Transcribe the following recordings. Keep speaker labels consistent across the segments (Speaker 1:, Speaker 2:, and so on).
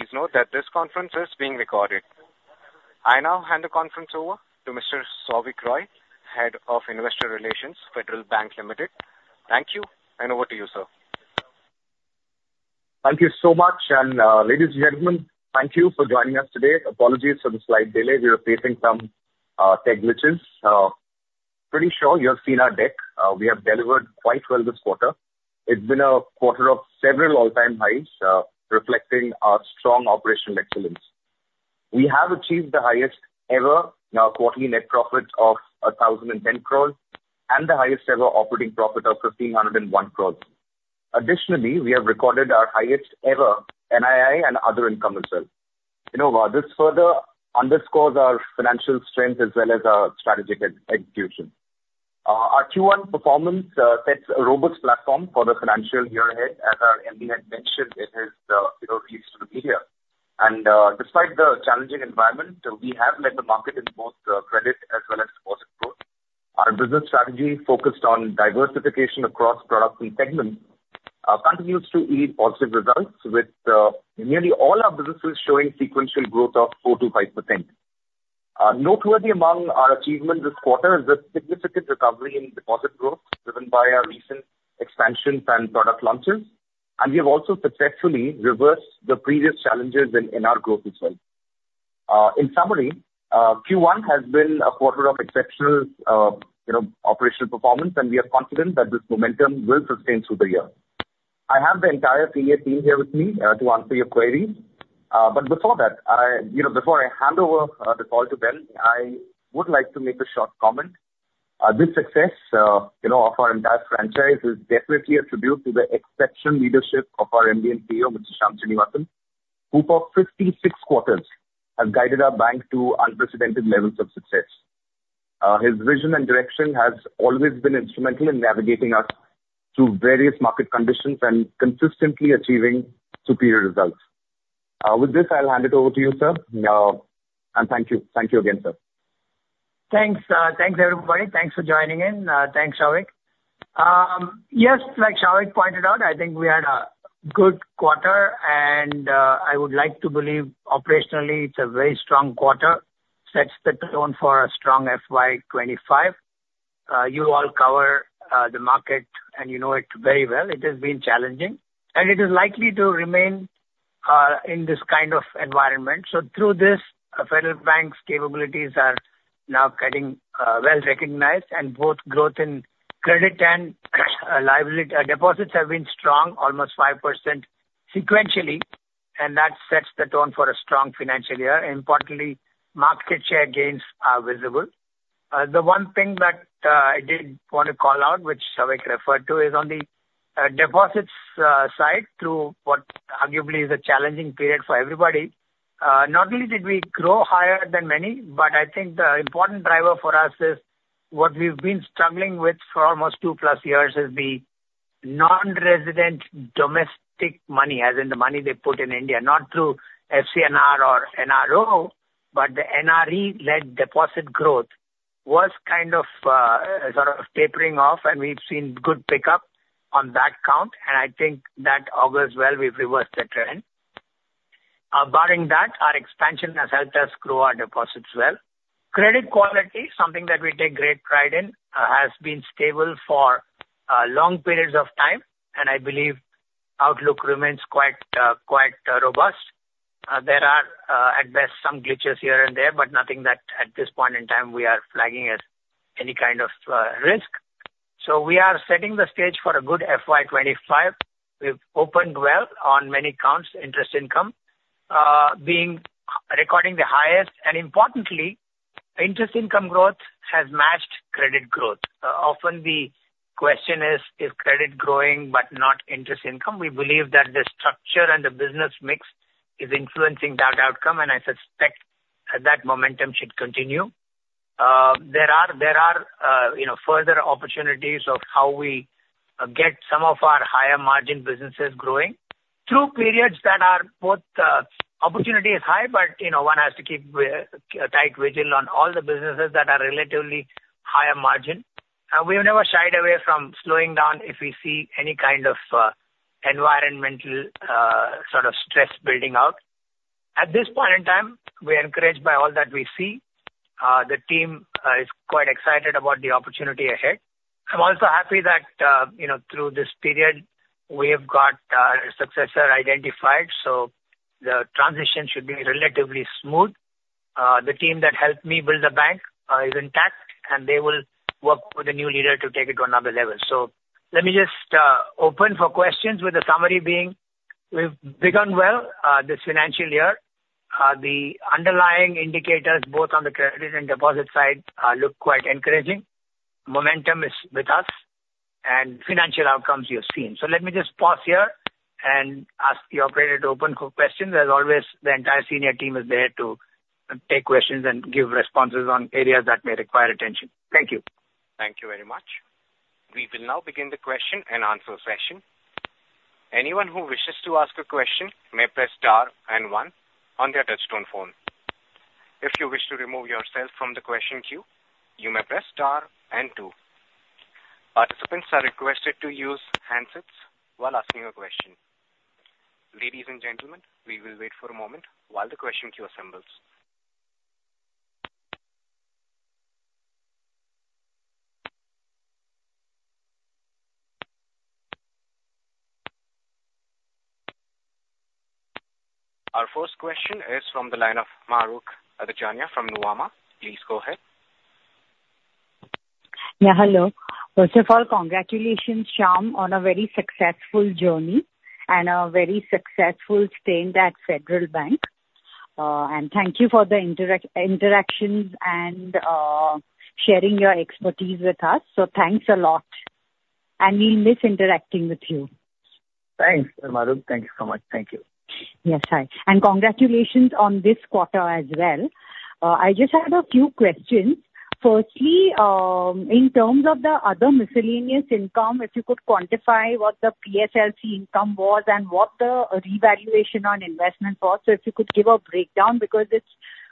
Speaker 1: Please note that this conference is being recorded. I now hand the conference over to Mr. Souvik Roy, Head of Investor Relations, Federal Bank Limited. Thank you, and over to you, sir.
Speaker 2: Thank you so much. Ladies and gentlemen, thank you for joining us today. Apologies for the slight delay. We were facing some tech glitches. Pretty sure you have seen our deck. We have delivered quite well this quarter. It's been a quarter of several all-time highs, reflecting our strong operational excellence. We have achieved the highest-ever quarterly net profit of 1,010 crores and the highest-ever operating profit of 1,501 crores. Additionally, we have recorded our highest-ever NII and other income as well. You know, this further underscores our financial strength as well as our strategic execution. Our Q1 performance sets a robust platform for the financial year ahead. As our MD had mentioned, it has, you know, released to the media. Despite the challenging environment, we have led the market in both credit as well as deposit growth. Our business strategy, focused on diversification across products and segments, continues to yield positive results, with nearly all our businesses showing sequential growth of 4%-5%. Noteworthy among our achievements this quarter is the significant recovery in deposit growth, driven by our recent expansions and product launches. We have also successfully reversed the previous challenges in our growth as well. In summary, Q1 has been a quarter of exceptional, you know, operational performance, and we are confident that this momentum will sustain through the year. I have the entire senior team here with me, to answer your queries. But before that, I, you know, before I hand over the call to Venkat, I would like to make a short comment. This success, you know, of our entire franchise is definitely a tribute to the exceptional leadership of our MD and CEO, Mr. Shyam Srinivasan who, for 56 quarters, has guided our bank to unprecedented levels of success. His vision and direction have always been instrumental in navigating us through various market conditions and consistently achieving superior results. With this, I'll hand it over to you, sir. Thank you. Thank you again, sir.
Speaker 3: Thanks. Thanks, everybody. Thanks for joining in. Thanks, Souvik. Yes, like Souvik pointed out, I think we had a good quarter, and I would like to believe operationally it's a very strong quarter. Sets the tone for a strong FY25. You all cover the market, and you know it very well. It has been challenging, and it is likely to remain in this kind of environment. So through this, Federal Bank's capabilities are now getting well recognized, and both growth in credit and liability deposits have been strong, almost 5% sequentially, and that sets the tone for a strong financial year. Importantly, market share gains are visible. The one thing that I did want to call out, which Souvik referred to, is on the deposits side, through what arguably is a challenging period for everybody. Not only did we grow higher than many, but I think the important driver for us is what we've been struggling with for almost 2+ years, is the non-resident domestic money, as in the money they put in India, not through FCNR or NRO, but the NRE-led deposit growth was kind of, sort of tapering off, and we've seen good pickup on that count. And I think that, over as well, we've reversed that trend. Barring that, our expansion has helped us grow our deposits well. Credit quality, something that we take great pride in, has been stable for long periods of time, and I believe outlook remains quite, quite robust. There are, at best, some glitches here and there, but nothing that, at this point in time, we are flagging as any kind of risk. So we are setting the stage for a good FY25. We've opened well on many counts, interest income being recording the highest. And importantly, interest income growth has matched credit growth. Often the question is, is credit growing but not interest income? We believe that the structure and the business mix is influencing that outcome, and I suspect that momentum should continue. There are, there are, you know, further opportunities of how we get some of our higher-margin businesses growing through periods that are both, opportunity is high, but, you know, one has to keep tight vigil on all the businesses that are relatively higher margin. We have never shied away from slowing down if we see any kind of environmental, sort of stress building out. At this point in time, we are encouraged by all that we see. The team is quite excited about the opportunity ahead. I'm also happy that, you know, through this period, we have got a successor identified, so the transition should be relatively smooth. The team that helped me build the bank is intact, and they will work with a new leader to take it to another level. So let me just open for questions, with the summary being we've begun well, this financial year. The underlying indicators, both on the credit and deposit side, look quite encouraging. Momentum is with us, and financial outcomes you've seen. So let me just pause here and ask the operator to open for questions. As always, the entire senior team is there to take questions and give responses on areas that may require attention. Thank you.
Speaker 1: Thank you very much. We will now begin the question and answer session. Anyone who wishes to ask a question may press star and one on their touch-tone phone. If you wish to remove yourself from the question queue, you may press star and two. Participants are requested to use handsets while asking a question. Ladies and gentlemen, we will wait for a moment while the question queue assembles. Our first question is from the line of Mahrukh Adajania from Nuvama. Please go ahead.
Speaker 4: Yeah, hello. First of all, congratulations, Shyam, on a very successful journey and a very successful stay in that Federal Bank. And thank you for the interactions and sharing your expertise with us. So thanks a lot, and we'll miss interacting with you.
Speaker 2: Thanks, Mahrukh. Thank you so much. Thank you.
Speaker 4: Yes, hi. And congratulations on this quarter as well. I just had a few questions. Firstly, in terms of the other miscellaneous income, if you could quantify what the PSLC income was and what the revaluation on investment was. So if you could give a breakdown, because it's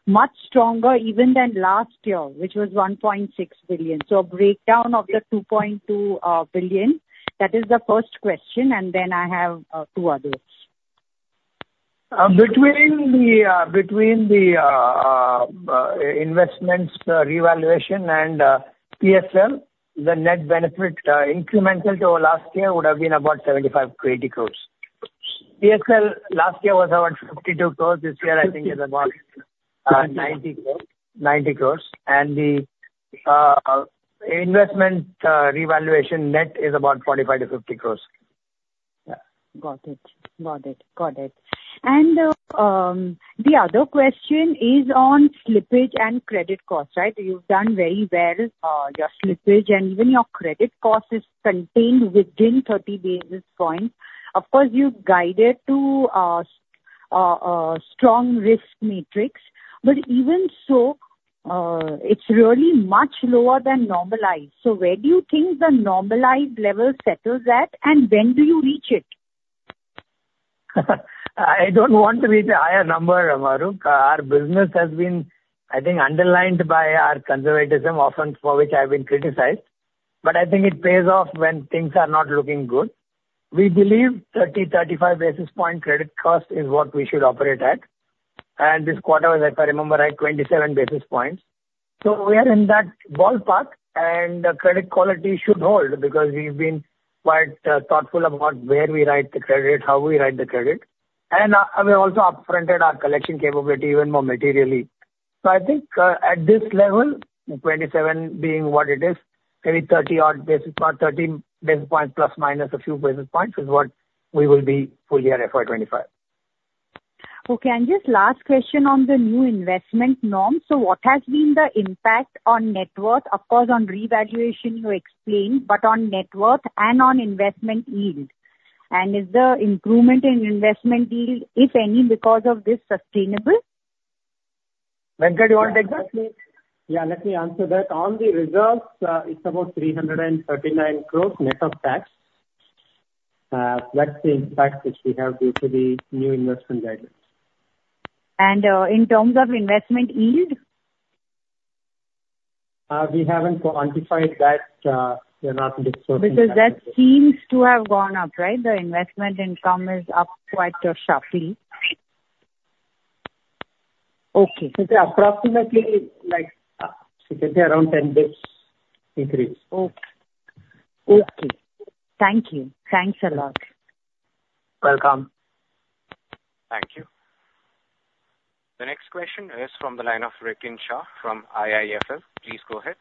Speaker 4: much stronger even than last year, which was 1.6 billion. So a breakdown of the 2.2 billion. That is the first question, and then I have two others.
Speaker 2: Between the investment revaluation and PSL, the net benefit incremental to last year would have been about 75-80 crore. PSL last year was around 52 crore. This year, I think, is about 90 crore. And the investment revaluation net is about 45-50 crore.
Speaker 4: Got it. Got it. Got it. And the other question is on slippage and credit costs, right? You've done very well, your slippage, and even your credit cost is contained within 30 basis points. Of course, you guided to strong risk matrix, but even so, it's really much lower than normalized. So where do you think the normalized level settles at, and when do you reach it?
Speaker 2: I don't want to be the higher number, Mahrukh. Our business has been, I think, underlined by our conservatism, often for which I've been criticized. But I think it pays off when things are not looking good. We believe 30-35 basis points credit cost is what we should operate at. And this quarter was, if I remember right, 27 basis points. So we are in that ballpark, and the credit quality should hold because we've been quite thoughtful about where we write the credit, how we write the credit. And we also upfronted our collection capability even more materially. So I think, at this level, 27 being what it is, maybe 30-odd basis points, 30 basis points ± a few basis points is what we will be fully at FY25.
Speaker 4: Okay. And just last question on the new investment norms. So what has been the impact on net worth? Of course, on revaluation, you explained, but on net worth and on investment yield. And is the improvement in investment yield, if any, because of this sustainable?
Speaker 2: Venkat, you want to take that?
Speaker 5: Yeah, let me answer that. On the results, it's about 339 crore net of tax. That's the impact which we have due to the new investment guidance.
Speaker 4: In terms of investment yield?
Speaker 5: We haven't quantified that. We're not discussing that.
Speaker 4: Because that seems to have gone up, right? The investment income is up quite sharply.
Speaker 5: Okay. I can say approximately, like, you can say around 10 basis increase.
Speaker 4: Okay. Okay. Thank you. Thanks a lot.
Speaker 2: Welcome.
Speaker 1: Thank you. The next question is from the line of Rikin Shah from IIFL. Please go ahead.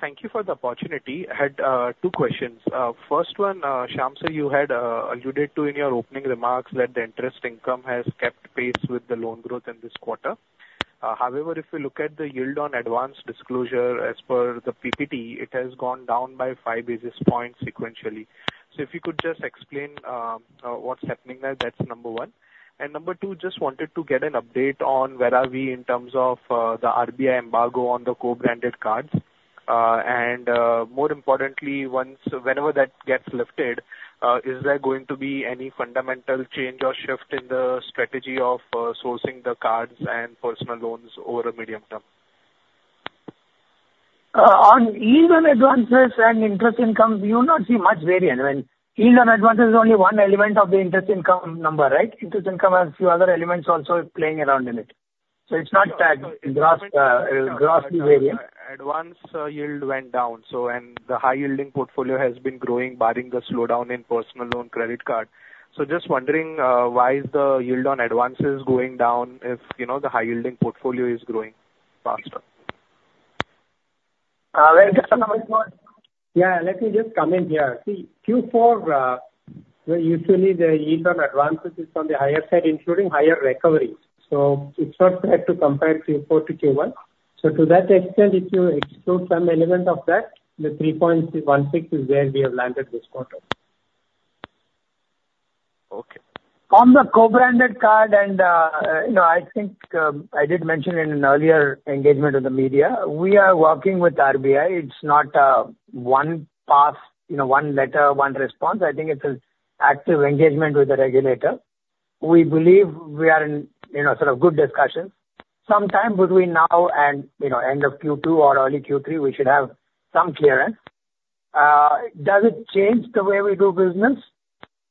Speaker 6: Thank you for the opportunity. I had two questions. First one, Shyam Sir, you had alluded to in your opening remarks that the interest income has kept pace with the loan growth in this quarter. However, if we look at the yield on advance disclosure as per the PPT, it has gone down by five basis points sequentially. So if you could just explain what's happening there, that's number one. And number two, just wanted to get an update on where are we in terms of the RBI embargo on the co-branded cards. And more importantly, once whenever that gets lifted, is there going to be any fundamental change or shift in the strategy of sourcing the cards and personal loans over a medium term?
Speaker 2: On yield on advances and interest income, you do not see much variation. I mean, yield on advances is only one element of the interest income number, right? Interest income has a few other elements also playing around in it. So it's not that grossly variant.
Speaker 6: Advances yield went down, so, and the high-yielding portfolio has been growing barring the slowdown in personal loan, credit card. So just wondering, why is the yield on advances going down if, you know, the high-yielding portfolio is growing faster?
Speaker 2: Venkatraman Venkateswaran.
Speaker 5: Yeah, let me just comment here. See, Q4, well, usually the yield on advances is on the higher side, including higher recovery. So it's not fair to compare Q4-Q1. So to that extent, if you exclude some element of that, the 3.16 is where we have landed this quarter.
Speaker 2: Okay. On the co-branded card and, you know, I think, I did mention in an earlier engagement with the media, we are working with RBI. It's not a one pass, you know, one letter, one response. I think it's an active engagement with the regulator. We believe we are in, you know, sort of good discussions. Sometime between now and, you know, end of Q2 or early Q3, we should have some clearance. Does it change the way we do business?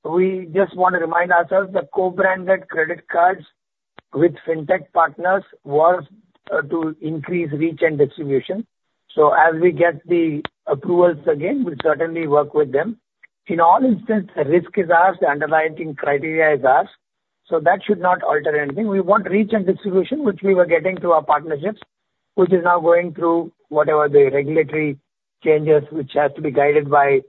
Speaker 2: We just want to remind ourselves that co-branded credit cards with fintech partners was, to increase reach and distribution. So as we get the approvals again, we'll certainly work with them. In all instances, the risk is ours. The underlying criteria is ours. So that should not alter anything. We want reach and distribution, which we were getting through our partnerships, which is now going through whatever the regulatory changes, which has to be guided by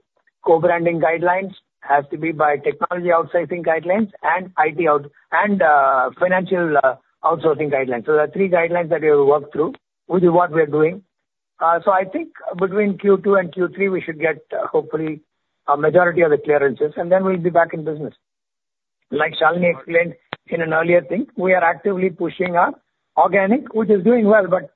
Speaker 2: co-branding guidelines, has to be by technology outsourcing guidelines, and IT outsourcing, and financial outsourcing guidelines. So there are three guidelines that we will work through, which is what we are doing. So I think between Q2 and Q3, we should get, hopefully, a majority of the clearances, and then we'll be back in business. Like Shalini explained in an earlier thing, we are actively pushing our organic, which is doing well, but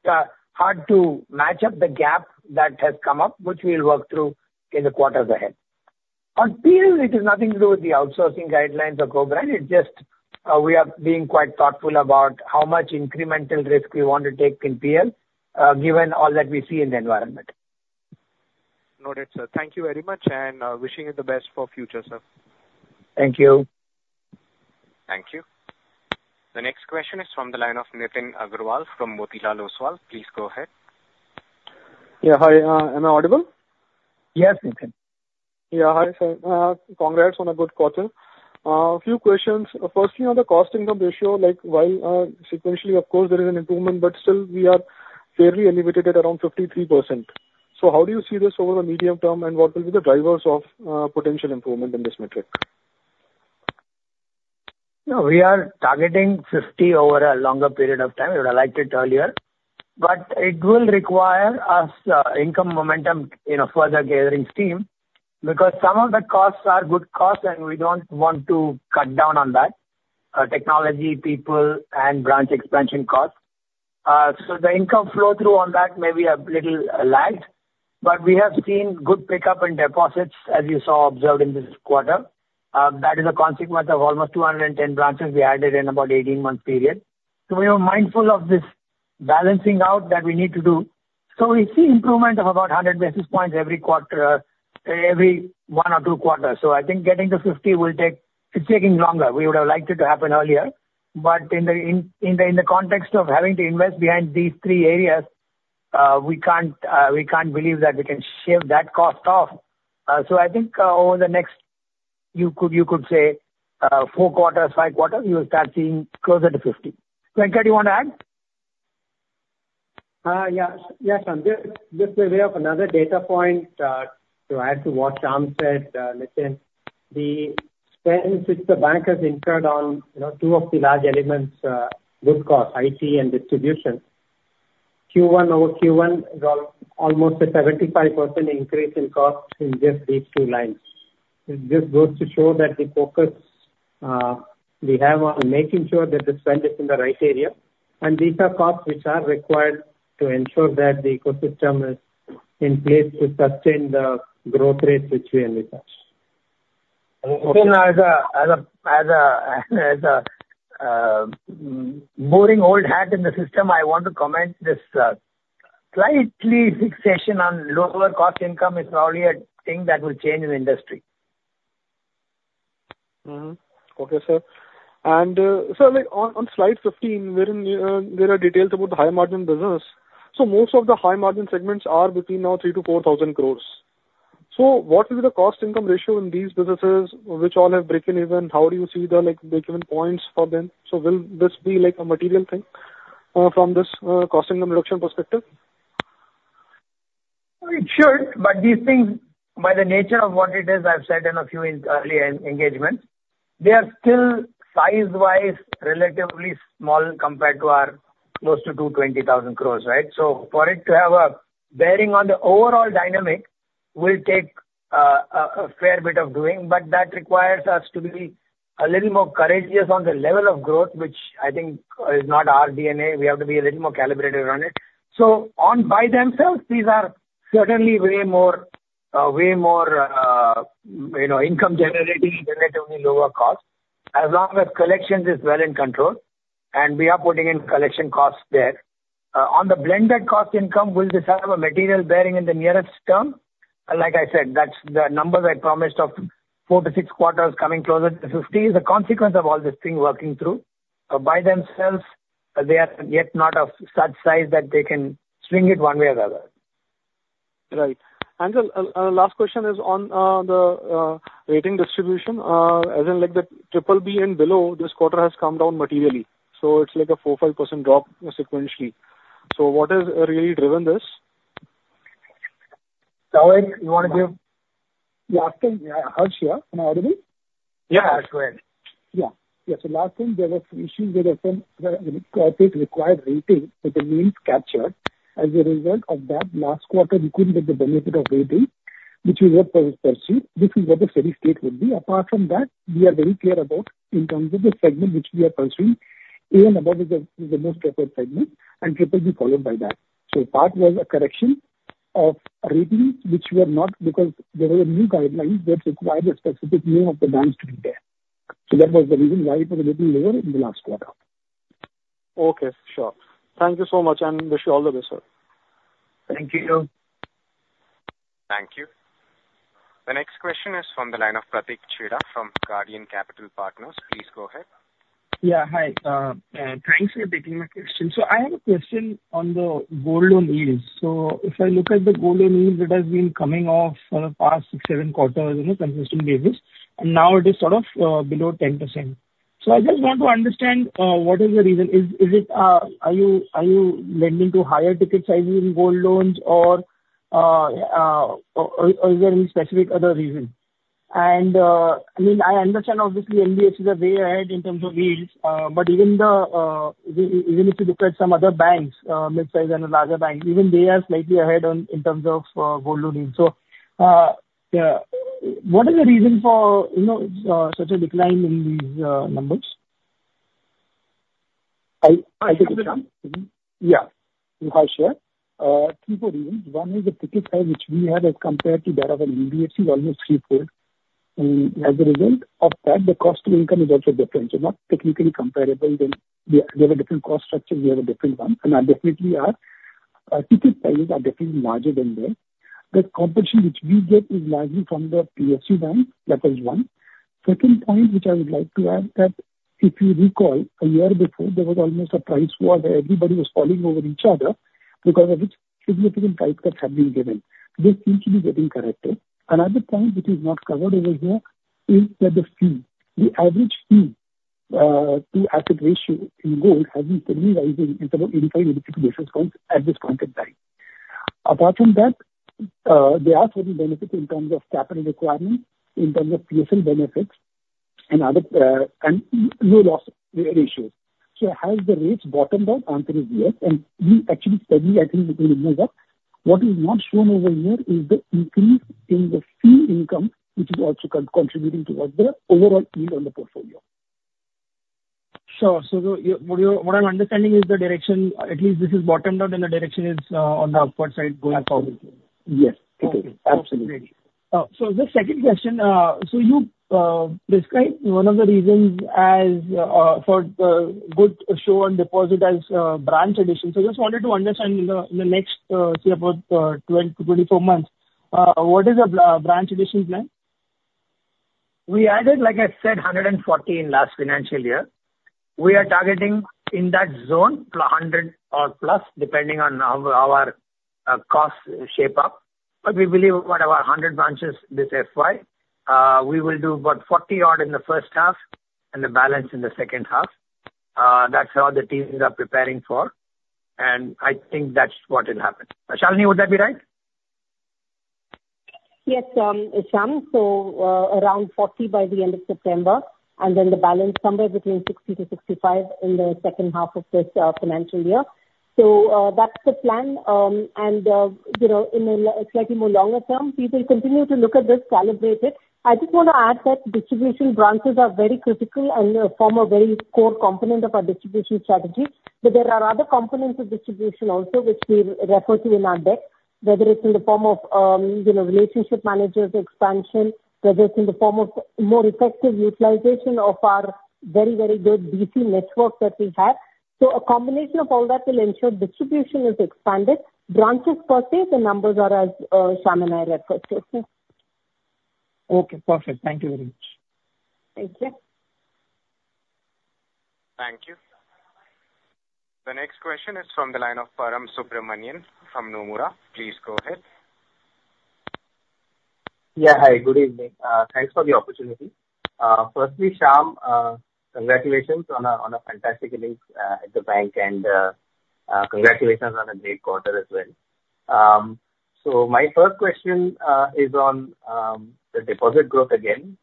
Speaker 2: hard to match up the gap that has come up, which we'll work through in the quarters ahead. On PL, it has nothing to do with the outsourcing guidelines or co-brand. It's just, we are being quite thoughtful about how much incremental risk we want to take in PL, given all that we see in the environment.
Speaker 6: Noted, sir. Thank you very much, and, wishing you the best for future, sir.
Speaker 2: Thank you.
Speaker 1: Thank you. The next question is from the line of Nitin Aggarwal from Motilal Oswal. Please go ahead.
Speaker 7: Yeah, hi. Am I audible?
Speaker 2: Yes, Nithin.
Speaker 7: Yeah, hi, sir. Congrats on a good quarter. A few questions. Firstly, on the cost-income ratio, like, while, sequentially, of course, there is an improvement, but still we are fairly elevated at around 53%. So how do you see this over the medium term, and what will be the drivers of, potential improvement in this metric?
Speaker 3: You know, we are targeting 50 over a longer period of time. You would have liked it earlier. But it will require us, income momentum, you know, further gathering steam because some of the costs are good costs, and we don't want to cut down on that, technology people and branch expansion costs. So the income flow-through on that may be a little lagged, but we have seen good pickup in deposits, as you saw, observed in this quarter. That is a consequence of almost 210 branches we added in about 18-month period. So we were mindful of this balancing out that we need to do. So we see improvement of about 100 basis points every quarter, every one or two quarters. So I think getting to 50 will take. It's taking longer. We would have liked it to happen earlier. But in the context of having to invest behind these three areas, we can't believe that we can shave that cost off. So I think, over the next, you could say, four quarters, five quarters, we will start seeing closer to 50. Venkat, you want to add?
Speaker 5: Yes. Yes, I'm just to lay out another data point, to add to what Shyam said, Nitin, the spend, since the bank has incurred on, you know, two of the large elements, good costs, IT and distribution, Q1-over-Q1 is almost a 75% increase in costs in just these two lines. It just goes to show that the focus we have on making sure that the spend is in the right area. And these are costs which are required to ensure that the ecosystem is in place to sustain the growth rates which we envisage.
Speaker 3: Nitin, as a boring old hat in the system, I want to comment. This slight fixation on lower cost income is probably a thing that will change in the industry.
Speaker 7: Mm-hmm. Okay, sir. And, sir, like, on, on slide 15, there are, there are details about the high-margin business. So most of the high-margin segments are between now 3,000 crore-4,000 crore. So what is the cost-income ratio in these businesses which all have break-even? How do you see the, like, break-even points for them? So will this be, like, a material thing, from this, cost-income reduction perspective?
Speaker 2: It should, but these things, by the nature of what it is, I've said in a few in earlier engagements, they are still size-wise relatively small compared to our close to 220,000 crore, right? So for it to have a bearing on the overall dynamic will take a fair bit of doing, but that requires us to be a little more courageous on the level of growth, which I think is not our DNA. We have to be a little more calibrated on it. So on by themselves, these are certainly way more, way more, you know, income-generating relatively lower costs as long as collections is well in control. And we are putting in collection costs there. On the blended cost income, will this have a material bearing in the nearest term? Like I said, that's the numbers I promised of 4-6 quarters coming closer to 50 is a consequence of all this thing working through. By themselves, they are yet not of such size that they can swing it one way or the other.
Speaker 7: Right. The last question is on the rating distribution. As in, like, the BBB and below, this quarter has come down materially. So it's like a 4%-5% drop sequentially. So what has really driven this?
Speaker 2: Sorry, you want to give last thing? Yeah, I heard you. Can I audible?
Speaker 5: Yeah, go ahead.
Speaker 2: Yeah. Yeah, so last thing, there were some issues with the corporate required rating with the names captured. As a result of that, last quarter, we couldn't get the benefit of rating which we were pursuing. This is what the steady state would be. Apart from that, we are very clear about in terms of the segment which we are pursuing, even above the most preferred segment, and triple B followed by that. So part was a correction of rating which were not because there were new guidelines that required a specific name of the banks to be there. So that was the reason why it was a little lower in the last quarter.
Speaker 7: Okay. Sure. Thank you so much and wish you all the best, sir.
Speaker 2: Thank you.
Speaker 1: Thank you. The next question is from the line of Pratik Chheda from Guardian Capital Partners. Please go ahead.
Speaker 8: Yeah, hi. Thanks for taking my question. So I have a question on the gold loan yield. So if I look at the gold loan yield that has been coming off for the past six, seven quarters, you know, consistent basis, and now it is sort of below 10%. So I just want to understand, what is the reason? Is it, are you lending to higher ticket sizes in gold loans or is there any specific other reason? And, I mean, I understand obviously NBFC is a way ahead in terms of yields, but even if you look at some other banks, mid-size and larger banks, even they are slightly ahead in terms of gold loan yield. So, what is the reason for, you know, such a decline in these numbers?
Speaker 2: I can explain. Yeah. If I share two reasons. One is the ticket size which we have as compared to that of NBFC is almost three-fourths. And as a result of that, the cost-income is also different. So not technically comparable. Then we have different cost structures. We have a different one. And I definitely are, ticket sizes are definitely larger than there. The corporation which we get is largely from the PSU banks. That was one. Second point which I would like to add that if you recall, a year before, there was almost a price war where everybody was falling over each other because of which significant price cuts have been given. This seems to be getting corrected. Another point which is not covered over here is that the fee, the average fee, to asset ratio in gold has been steadily rising in about 85 basis points at this point in time. Apart from that, there are certain benefits in terms of capital requirements, in terms of PSL benefits, and other, and low loss ratios. So has the rates bottomed out? The answer is yes. And we actually studied, I think, within a year that what is not shown over here is the increase in the fee income which is also contributing towards the overall yield on the portfolio.
Speaker 5: Sure. So, you know, what I'm understanding is the direction, at least this is bottomed out, and the direction is on the upward side going forward.
Speaker 2: Yes. Yes. Absolutely.
Speaker 5: Okay. Great. So the second question, you described one of the reasons as for the good growth in deposits as branch addition. So I just wanted to understand in the next, say about, 20-24 months, what is the branch addition plan?
Speaker 2: We added, like I said, 114 last financial year. We are targeting in that zone to 100 or plus, depending on our, our, cost shape up. But we believe about 100 branches this FY. We will do about 40 odd in the first half and the balance in the second half. That's how the teams are preparing for. And I think that's what will happen. Shalini, would that be right?
Speaker 9: Yes, it sounds so, around 40 by the end of September, and then the balance somewhere between 60-65 in the second half of this financial year. So, that's the plan. You know, in a slightly more longer term, we will continue to look at this, calibrate it. I just want to add that distribution branches are very critical and form a very core component of our distribution strategy. But there are other components of distribution also which we refer to in our deck, whether it's in the form of, you know, relationship managers, expansion, whether it's in the form of more effective utilization of our very, very good BC network that we have. So a combination of all that will ensure distribution is expanded. Branches per se, the numbers are as Shyam and I refer to.
Speaker 8: Okay. Perfect. Thank you very much.
Speaker 9: Thank you.
Speaker 1: Thank you. The next question is from the line of Param Subramanian from Nomura. Please go ahead.
Speaker 10: Yeah, hi. Good evening. Thanks for the opportunity. First, Shyam, congratulations on a, on a fantastic tenure at the bank, and congratulations on a great quarter as well. So my first question is on the deposit growth again.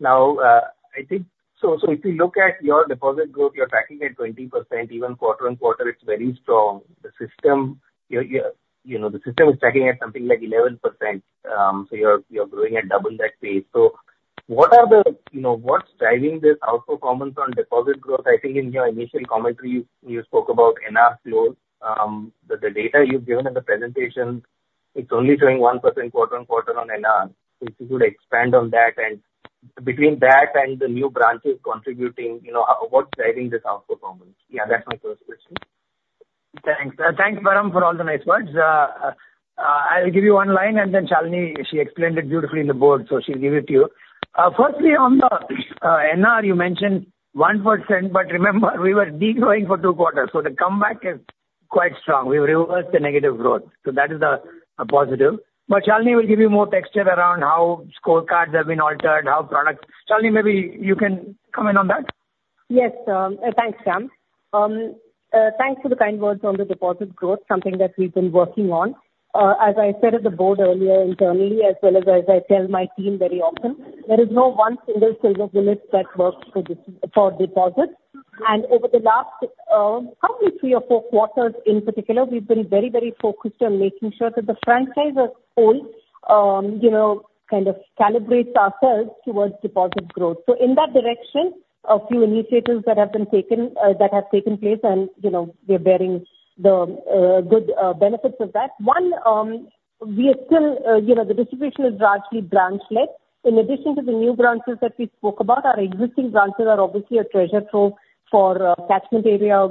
Speaker 10: Now, I think, so if you look at your deposit growth, you're tracking at 20%. Even quarter-on-quarter, it's very strong. The system, you know, is tracking at something like 11%. So you're growing at double that pace. So what are the, you know, what's driving this outperformance on deposit growth? I think in your initial commentary, you spoke about NR flow. The data you've given in the presentation, it's only showing 1% quarter-on-quarter on NR. So if you could expand on that and between that and the new branches contributing, you know, what's driving this outperformance? Yeah, that's my first question.
Speaker 2: Thanks. Thanks, Param, for all the nice words. I'll give you one line, and then Shalini, she explained it beautifully in the board, so she'll give it to you. Firstly, on the NR, you mentioned 1%, but remember we were degrowing for two quarters. So the comeback is quite strong. We've reversed the negative growth. So that is a, a positive. But Shalini will give you more texture around how scorecards have been altered, how products Shalini, maybe you can comment on that?
Speaker 9: Yes. Thanks, Shyam. Thanks for the kind words on the deposit growth, something that we've been working on. As I said at the board earlier, internally, as well as as I tell my team very often, there is no one single silver bullet that works for this for deposits. Over the last, probably three or four quarters in particular, we've been very, very focused on making sure that the franchise as a whole, you know, kind of calibrates ourselves towards deposit growth. So in that direction, a few initiatives that have been taken, that have taken place, and, you know, we are bearing the good benefits of that. One, we are still, you know, the distribution is largely branch-led. In addition to the new branches that we spoke about, our existing branches are obviously a treasure trove for catchment area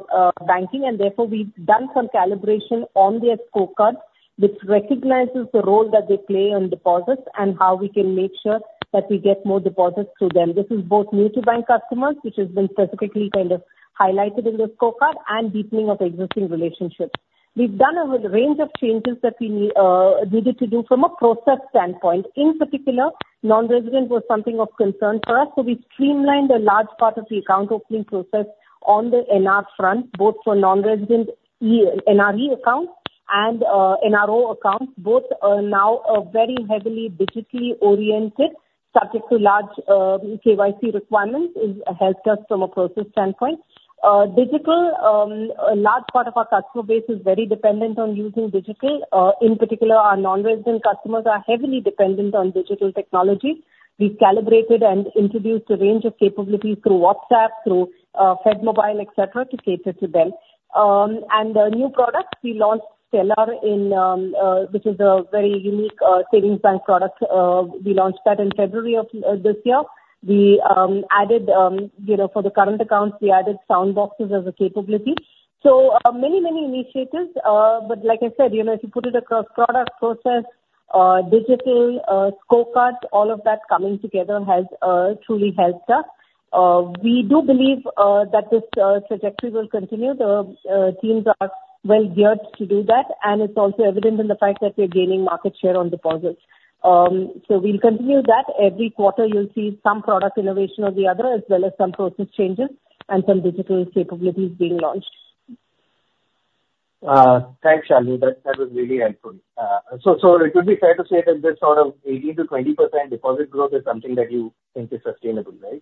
Speaker 9: banking. And therefore, we've done some calibration on their scorecards which recognizes the role that they play on deposits and how we can make sure that we get more deposits through them. This is both new-to-bank customers, which has been specifically kind of highlighted in the scorecard, and deepening of existing relationships. We've done a range of changes that we needed to do from a process standpoint. In particular, non-resident was something of concern for us. So we streamlined a large part of the account opening process on the NR front, both for non-resident NRE accounts and NRO accounts. Both are now very heavily digitally oriented, subject to large KYC requirements, which has helped us from a process standpoint. Digital, a large part of our customer base is very dependent on using digital. In particular, our non-resident customers are heavily dependent on digital technology. We've calibrated and introduced a range of capabilities through WhatsApp, through FedMobile, etc., to cater to them. The new products we launched, Stellar which is a very unique savings bank product. We launched that in February of this year. We added, you know, for the current accounts, we added sound boxes as a capability. So, many, many initiatives. Like I said, you know, if you put it across product, process, digital, scorecards, all of that coming together has truly helped us. We do believe that this trajectory will continue. The teams are well geared to do that. And it's also evident in the fact that we're gaining market share on deposits. So we'll continue that. Every quarter, you'll see some product innovation or the other, as well as some process changes and some digital capabilities being launched.
Speaker 10: Thanks, Shalini, that was really helpful. So it would be fair to say that this sort of 18%-20% deposit growth is something that you think is sustainable, right?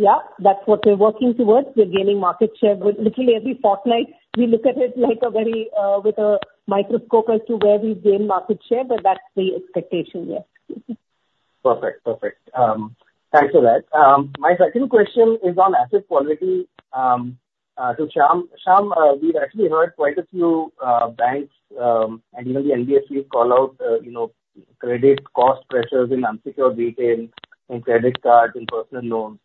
Speaker 9: Yeah, that's what we're working towards. We're gaining market share with literally every fortnight. We look at it like a very, with a microscope as to where we've gained market share, but that's the expectation, yes.
Speaker 10: Perfect. Perfect. Thanks for that. My second question is on asset quality. So, Shyam, Shyam, we've actually heard quite a few banks, and even the NBFC we've called out, you know, credit cost pressures in unsecured retail, in credit cards, in personal loans.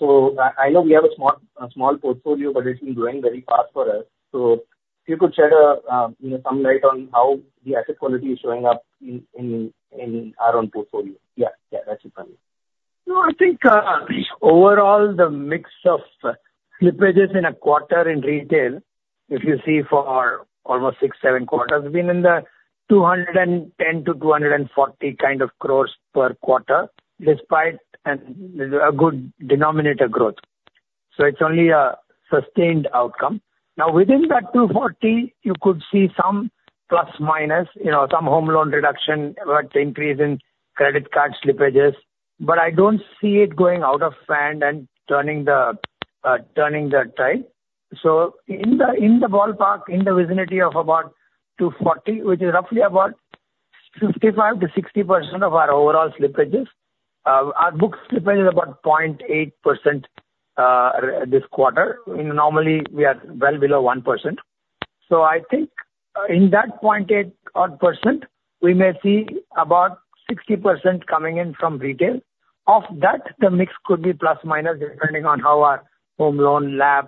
Speaker 10: So, I, I know we have a small, a small portfolio, but it's been growing very fast for us. So if you could shed a, you know, some light on how the asset quality is showing up in, in, in our own portfolio. Yeah. Yeah, that's it from me.
Speaker 2: No, I think, overall, the mix of slippages in a quarter in retail, if you see for almost six, seven quarters, has been in the 210-240 kind of growth per quarter, despite a good denominator growth. So it's only a sustained outcome. Now, within that 240, you could see some ±, you know, some home loan reduction, but increase in credit card slippages. But I don't see it going out of hand and turning the, turning the tide. So in the, in the ballpark, in the vicinity of about 240, which is roughly about 55%-60% of our overall slippages, our book slippage is about 0.8%, this quarter. You know, normally we are well below 1%. So I think in that 0.8%, we may see about 60% coming in from retail. Of that, the mix could be plus minus depending on how our home loan slab,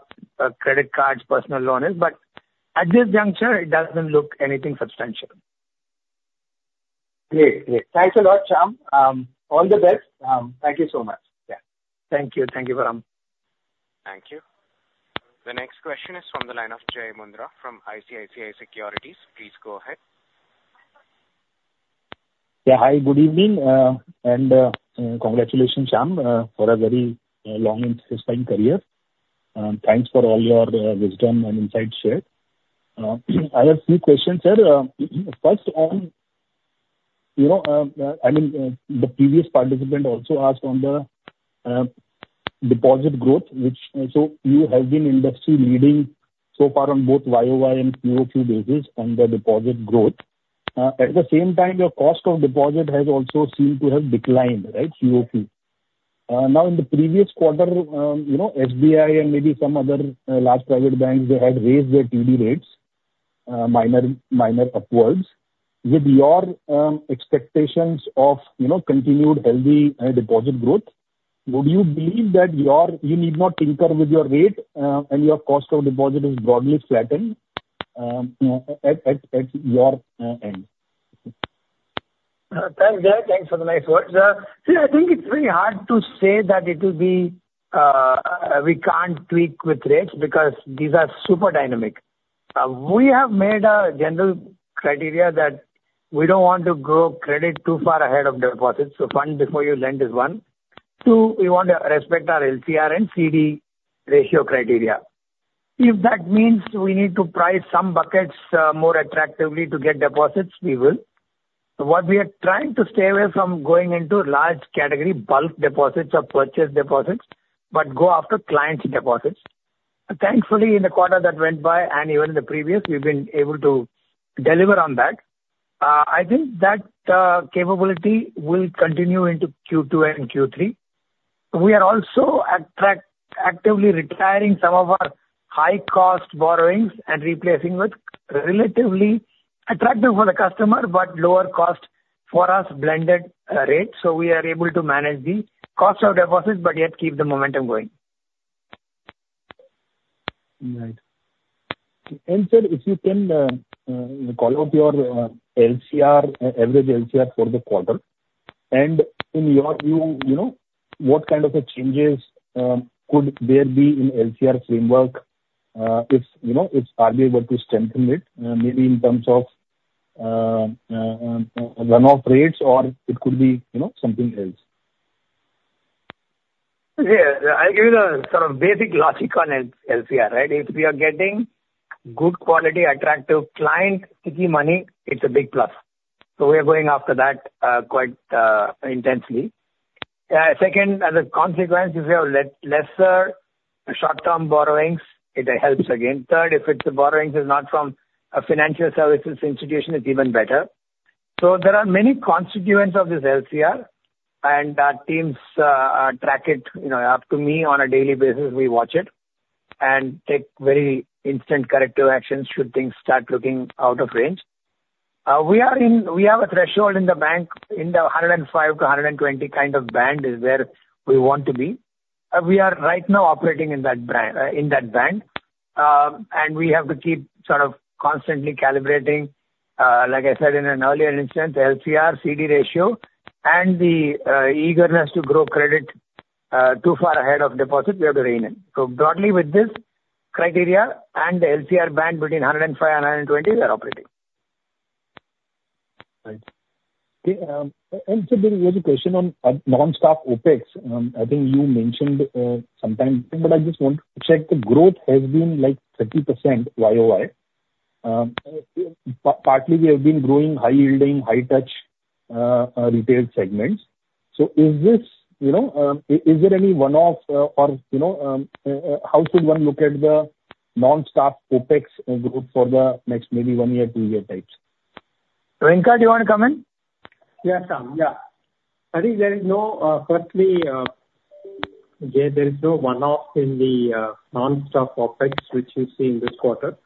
Speaker 2: credit cards, personal loan is. But at this juncture, it doesn't look anything substantial.
Speaker 10: Great. Great. Thanks a lot, Shyam. All the best. Thank you so much. Yeah.
Speaker 2: Thank you. Thank you, Param.
Speaker 1: Thank you. The next question is from the line of Jai Mundhra from ICICI Securities. Please go ahead.
Speaker 11: Yeah, hi. Good evening. Congratulations, Shyam, for a very long and satisfying career. Thanks for all your wisdom and insights shared. I have a few questions, sir. First on, you know, I mean, the previous participant also asked on the deposit growth, which, so you have been industry-leading so far on both YOY and QOQ basis on the deposit growth. At the same time, your cost of deposit has also seemed to have declined, right? QOQ. Now in the previous quarter, you know, SBI and maybe some other large private banks, they had raised their TD rates, minor, minor upwards. With your expectations of, you know, continued healthy deposit growth, would you believe that your you need not tinker with your rate, and your cost of deposit is broadly flattened, at, at, at your end?
Speaker 2: Thanks, Jay. Thanks for the nice words. See, I think it's really hard to say that it will be, we can't tweak with rates because these are super dynamic. We have made a general criteria that we don't want to grow credit too far ahead of deposits. So fund before you lend is one. Two, we want to respect our LCR and CD ratio criteria. If that means we need to price some buckets more attractively to get deposits, we will. What we are trying to stay away from going into large category bulk deposits or purchase deposits, but go after clients' deposits. Thankfully, in the quarter that went by and even the previous, we've been able to deliver on that. I think that capability will continue into Q2 and Q3. We are also attractively retiring some of our high-cost borrowings and replacing with relatively attractive for the customer, but lower-cost for us blended rate. So we are able to manage the cost of deposits, but yet keep the momentum going.
Speaker 11: Right. And sir, if you can call out your average LCR for the quarter. And in your view, you know, what kind of changes could there be in LCR framework, if you know, if RBI were to strengthen it, maybe in terms of runoff rates, or it could be, you know, something else?
Speaker 2: Yeah. I'll give you the sort of basic logic on LCR, right? If we are getting good quality, attractive client, sticky money, it's a big plus. So we are going after that, quite, intensely. Second, as a consequence, if we have lesser short-term borrowings, it helps again. Third, if the borrowing is not from a financial services institution, it's even better. So there are many constituents of this LCR, and our teams track it, you know, up to me on a daily basis. We watch it and take very instant corrective actions should things start looking out of range. We are in. We have a threshold in the bank in the 105-120 kind of band is where we want to be. We are right now operating in that band, in that band. We have to keep sort of constantly calibrating, like I said in an earlier instance, the LCR, CD ratio, and the eagerness to grow credit too far ahead of deposit. We have to rein in. So broadly with this criteria and the LCR band between 105-120, we are operating.
Speaker 11: Right. Okay. And sir, there was a question on non-staff OPEX. I think you mentioned something, but I just want to check. The growth has been like 30% YOY. Partly we have been growing high-yielding, high-touch retail segments. So is this, you know, is there any one-off, or, you know, how should one look at the non-staff OPEX growth for the next maybe one year, two-year types?
Speaker 3: Venkat, do you want to come in?
Speaker 5: Yes, Shyam. Yeah. I think there is no, firstly, Jay, there is no one-off in the non-staff OPEX which you see in this quarter.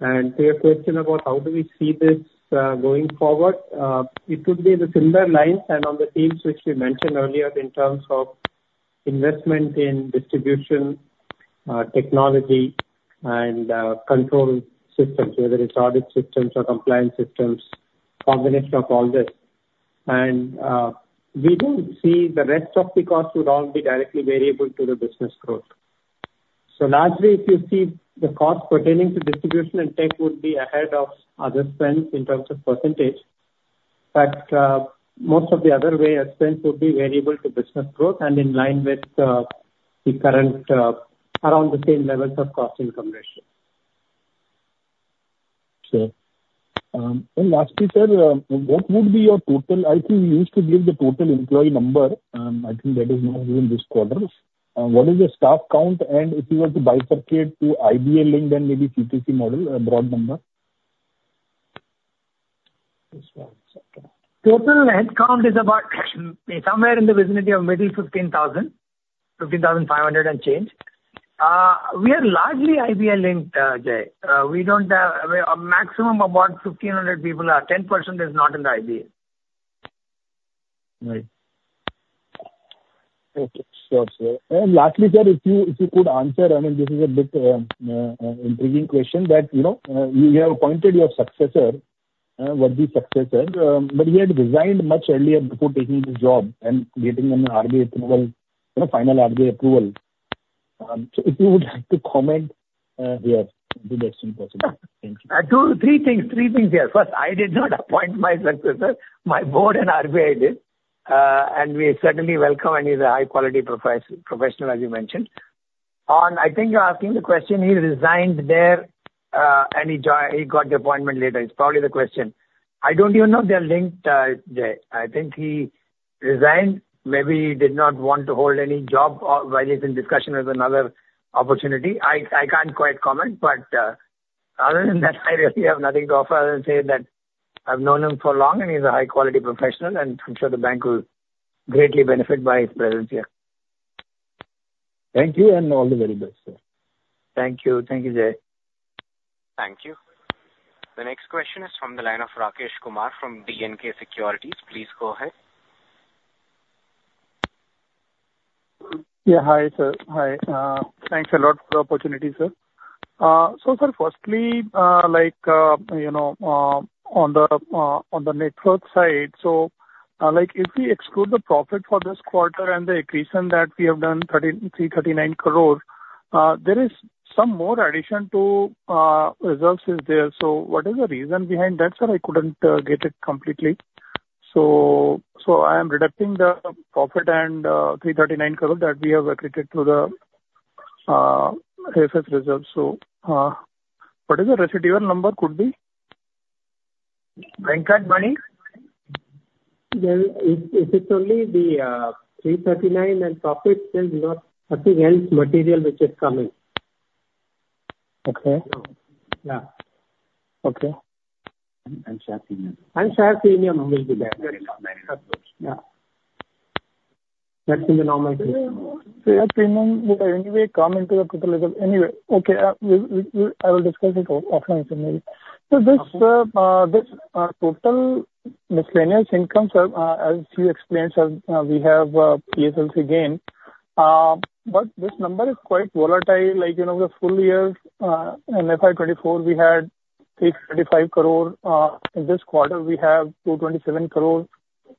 Speaker 5: And to your question about how do we see this going forward, it would be in the similar lines and on the themes which we mentioned earlier in terms of investment in distribution, technology, and control systems, whether it's audit systems or compliance systems, combination of all this. And we don't see the rest of the cost would all be directly variable to the business growth. So largely, if you see the cost pertaining to distribution and tech would be ahead of other spends in terms of percentage. But most of the other way of spend would be variable to business growth and in line with the current around the same levels of cost income ratio. Sure. And lastly, sir, what would be your total? I think we used to give the total employee number. I think that is not given this quarter. What is the staff count? And if you were to bifurcate to IBA-linked and maybe CTC model, a broad number?
Speaker 3: Total headcount is about somewhere in the vicinity of mid-15,000, 15,500 and change. We are largely IBA-linked, Jay. We don't have a maximum of about 1,500 people. 10% is not in the IBA.
Speaker 11: Right. Okay. Sure, sir. And lastly, sir, if you, if you could answer, I mean, this is a bit, intriguing question that, you know, you have appointed your successor, KVS Manian, but he had resigned much earlier before taking this job and getting an RBI approval, you know, final RBI approval. So if you would like to comment, here, do the next one possible. Thank you.
Speaker 3: two, three things, three things here. First, I did not appoint my successor. My board and IBA did, and we certainly welcome and he's a high-quality professional, as you mentioned. On, I think you're asking the question, he resigned there, and he joined, he got the appointment later. It's probably the question. I don't even know if they're linked, Jai Mundhra. I think he resigned. Maybe he did not want to hold any job while he's in discussion with another opportunity. I can't quite comment, but, other than that, I really have nothing to offer other than say that I've known him for long and he's a high-quality professional, and I'm sure the bank will greatly benefit by his presence here.
Speaker 11: Thank you and all the very best, sir.
Speaker 3: Thank you. Thank you, Jai Mundhra.
Speaker 1: Thank you. The next question is from the line of Rakesh Kumar from B&K Securities. Please go ahead.
Speaker 12: Yeah, hi, sir. Hi. Thanks a lot for the opportunity, sir. So sir, firstly, like, you know, on the, on the net worth side, so, like, if we exclude the profit for this quarter and the accretion that we have done 339 crore, there is some more addition to reserves is there. So what is the reason behind that, sir? I couldn't get it completely. So, so I am deducting the profit and 339 crore that we have accreted to the AFS reserves. So, what is the residual number could be? Venkatraman?
Speaker 5: Well, if it's only the 339 and profit is not something else material which is coming.
Speaker 12: Okay.
Speaker 5: Yeah. Okay. Shyam Srinivasan. Shyam Srinivasan will be there. That's good.
Speaker 12: Yeah. That's in the normal case.
Speaker 2: So Shyam Srinivasan will anyway come into the total reserve. Anyway, okay, I will discuss it offline, sir, maybe. So this total miscellaneous income, sir, as you explained, sir, we have PSLC gain, but this number is quite volatile. Like, you know, the full year, FY24, we had 335 crore. In this quarter, we have 227 crore.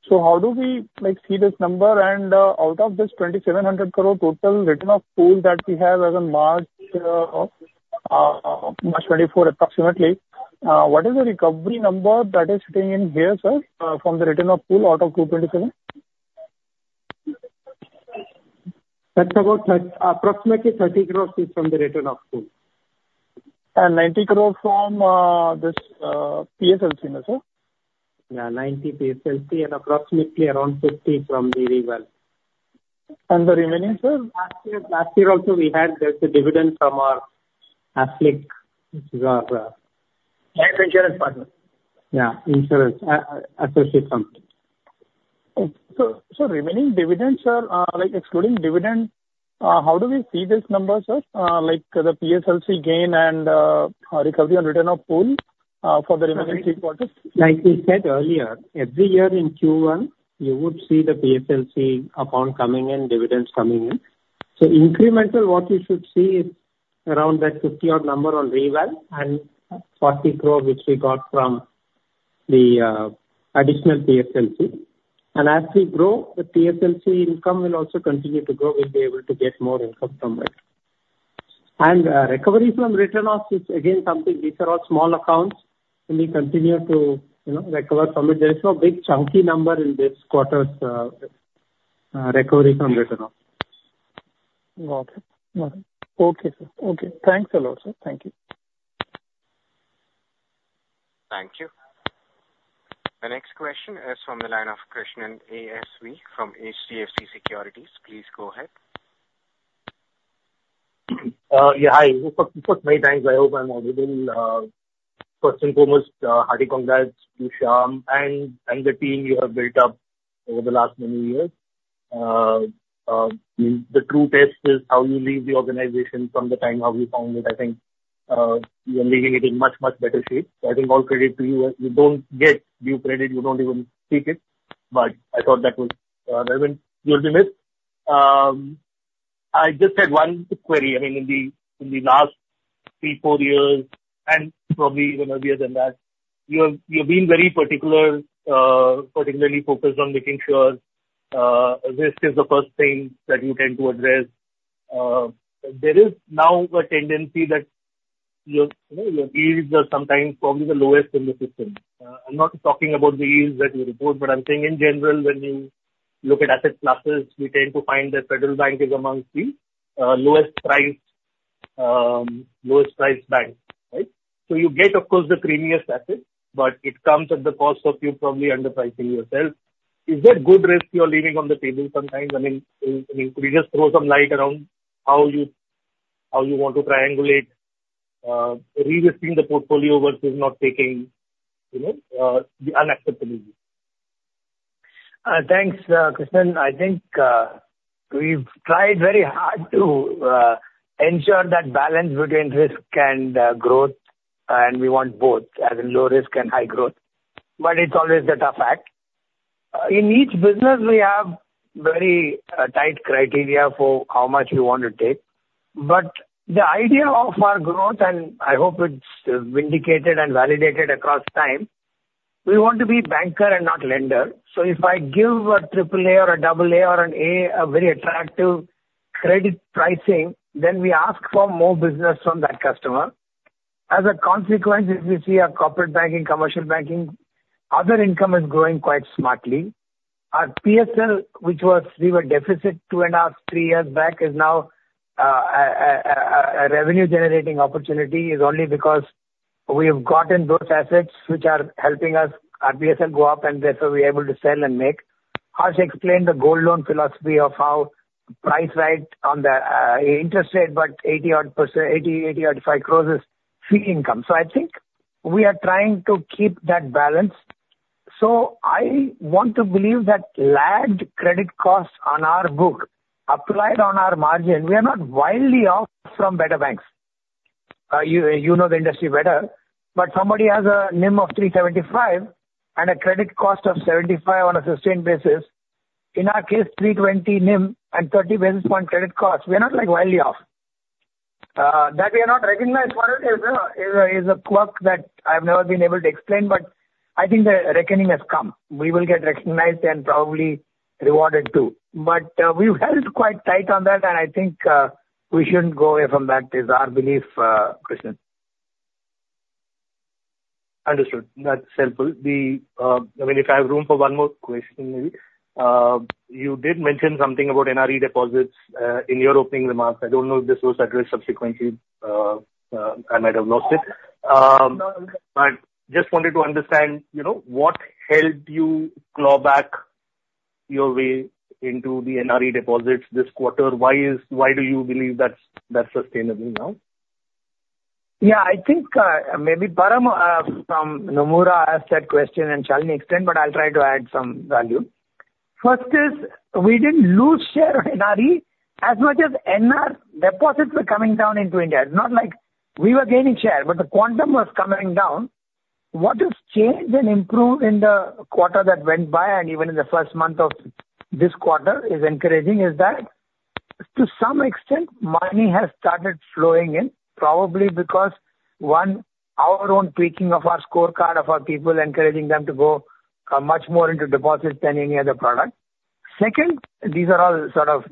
Speaker 2: So how do we, like, see this number? And out of this 2,700 crore total written-off pool that we have as of March 2024 approximately, what is the recovery number that is sitting in here, sir, from the written-off pool out of 227? That's about INR 30 crore, approximately 30 crore is from the written-off pool. 90 crore from this PSLC, sir?
Speaker 12: Yeah, 90 PSLC and approximately around 50 from Reval.
Speaker 2: The remaining, sir?
Speaker 12: Last year, last year also we had. There's a dividend from our AFLIC, which is our,
Speaker 2: Life insurance partner.
Speaker 12: Yeah, insurance, associate company.
Speaker 2: So, remaining dividend, sir, like excluding dividend, how do we see this number, sir? Like the PSLC gain and recovery on written-off pool, for the remaining three quarters?
Speaker 12: Like we said earlier, every year in Q1, you would see the PSLC account coming in, dividends coming in. So incremental, what you should see is around that 50-odd number on Reval and 40 crore which we got from the additional PSLC. And as we grow, the PSLC income will also continue to grow. We'll be able to get more income from it. And recovery from written-off is again something, these are all small accounts, and we continue to, you know, recover from it. There is no big chunky number in this quarter's recovery from written-off.
Speaker 2: Got it. Got it. Okay, sir. Okay. Thanks a lot, sir. Thank you.
Speaker 1: Thank you. The next question is from the line of Krishnan ASV from HDFC Securities. Please go ahead.
Speaker 13: Yeah, hi. For many thanks. I hope I'm audible. First and foremost, hearty congrats to Shyam and the team you have built up over the last many years. The true test is how you leave the organization from the time how you found it. I think you're leaving it in much, much better shape. So I think all credit to you. You don't get due credit. You don't even seek it. But I thought that was relevant. You'll be missed. I just had one query. I mean, in the last three, four years, and probably even earlier than that, you have been very particular, particularly focused on making sure risk is the first thing that you tend to address. There is now a tendency that your, you know, your yields are sometimes probably the lowest in the system. I'm not talking about the yields that you report, but I'm saying in general, when you look at asset classes, we tend to find that Federal Bank is amongst the lowest priced, lowest priced banks, right? So you get, of course, the creamiest assets, but it comes at the cost of you probably underpricing yourself. Is there good risk you're leaving on the table sometimes? I mean, I mean, could you just throw some light around how you, how you want to triangulate, re-risking the portfolio versus not taking, you know, the unacceptable risk?
Speaker 2: Thanks, Krishnan. I think we've tried very hard to ensure that balance between risk and growth, and we want both, as in low risk and high growth. But it's always a tough act. In each business, we have very tight criteria for how much we want to take. But the idea of our growth, and I hope it's vindicated and validated across time, we want to be banker and not lender. So if I give a triple A or a double A or an A, a very attractive credit pricing, then we ask for more business from that customer. As a consequence, if we see our corporate banking, commercial banking, other income is growing quite smartly. Our PSL, which was we were deficit 2.5, three years back, is now a revenue-generating opportunity only because we have gotten those assets which are helping us, our PSL go up, and therefore we are able to sell and make. I'll explain the gold loan philosophy of how price right on the interest rate, but 80-odd%, 80, 80, 85 crore is free income. So I think we are trying to keep that balance. So I want to believe that lagged credit cost on our book, applied on our margin, we are not wildly off from better banks. You, you know the industry better, but somebody has a NIM of 375 and a credit cost of 75 on a sustained basis; in our case, 320 NIM and 30 basis point credit cost. We are not, like, wildly off. that we are not recognized for it is a quirk that I've never been able to explain, but I think the reckoning has come. We will get recognized and probably rewarded too. But, we've held quite tight on that, and I think, we shouldn't go away from that. It's our belief, Krishnan.
Speaker 13: Understood. That's helpful. I mean, if I have room for one more question, maybe, you did mention something about NRE deposits in your opening remarks. I don't know if this was addressed subsequently. I might have lost it. Just wanted to understand, you know, what helped you claw back your way into the NRE deposits this quarter? Why is, why do you believe that's, that's sustainable now?
Speaker 2: Yeah, I think, maybe Param from Nomura asked a question and Shalini to extend, but I'll try to add some value. First is, we didn't lose share of NRE as much as NR deposits were coming down into India. It's not like we were gaining share, but the quantum was coming down. What has changed and improved in the quarter that went by and even in the first month of this quarter is encouraging is that to some extent, money has started flowing in, probably because one, our own tweaking of our scorecard of our people, encouraging them to go much more into deposits than any other product. Second, these are all sort of,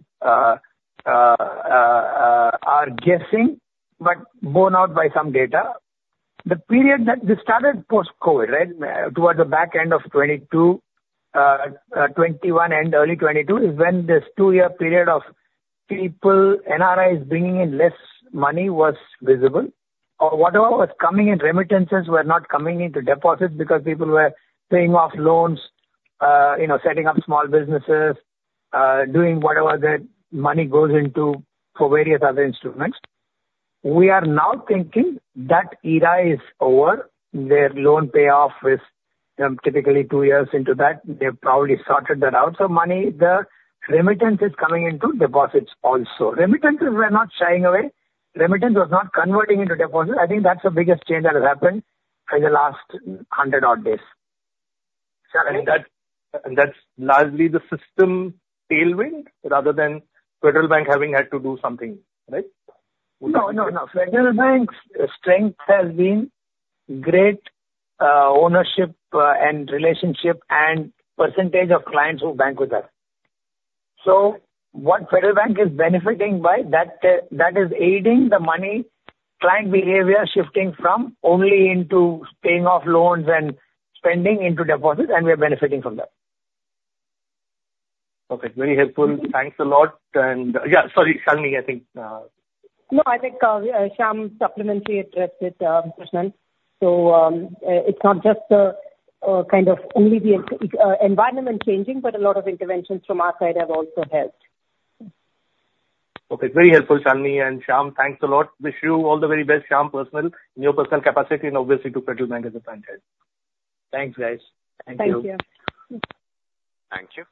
Speaker 2: are guessing, but borne out by some data. The period that we started post-COVID, right, towards the back end of 2022, 2021 and early 2022 is when this two-year period of people, NRI is bringing in less money was visible or whatever was coming in, remittances were not coming into deposits because people were paying off loans, you know, setting up small businesses, doing whatever that money goes into for various other instruments. We are now thinking that era is over. Their loan payoff is, typically two years into that. They've probably sorted that out. So money, the remittances coming into deposits also. Remittances were not shying away. Remittance was not converting into deposits. I think that's the biggest change that has happened in the last 100 odd days. And that, and that's largely the system tailwind rather than Federal Bank having had to do something, right? No, no, no. Federal Bank's strength has been great ownership and relationship and percentage of clients who bank with us. So what Federal Bank is benefiting by, that, that is aiding the money client behavior shifting from only into paying off loans and spending into deposits, and we are benefiting from that.
Speaker 13: Okay. Very helpful. Thanks a lot. And, yeah, sorry, Shalini, I think,
Speaker 9: No, I think, Shyam supplementally addressed it, Krishnan. So, it's not just the, kind of only the, environment changing, but a lot of interventions from our side have also helped.
Speaker 13: Okay. Very helpful, Shalini and Shyam. Thanks a lot. Wish you all the very best, Shyam, personally, in your personal capacity and obviously to Federal Bank as a franchise. Thanks, guys.
Speaker 9: Thank you.
Speaker 2: Thank you.
Speaker 1: Thank you.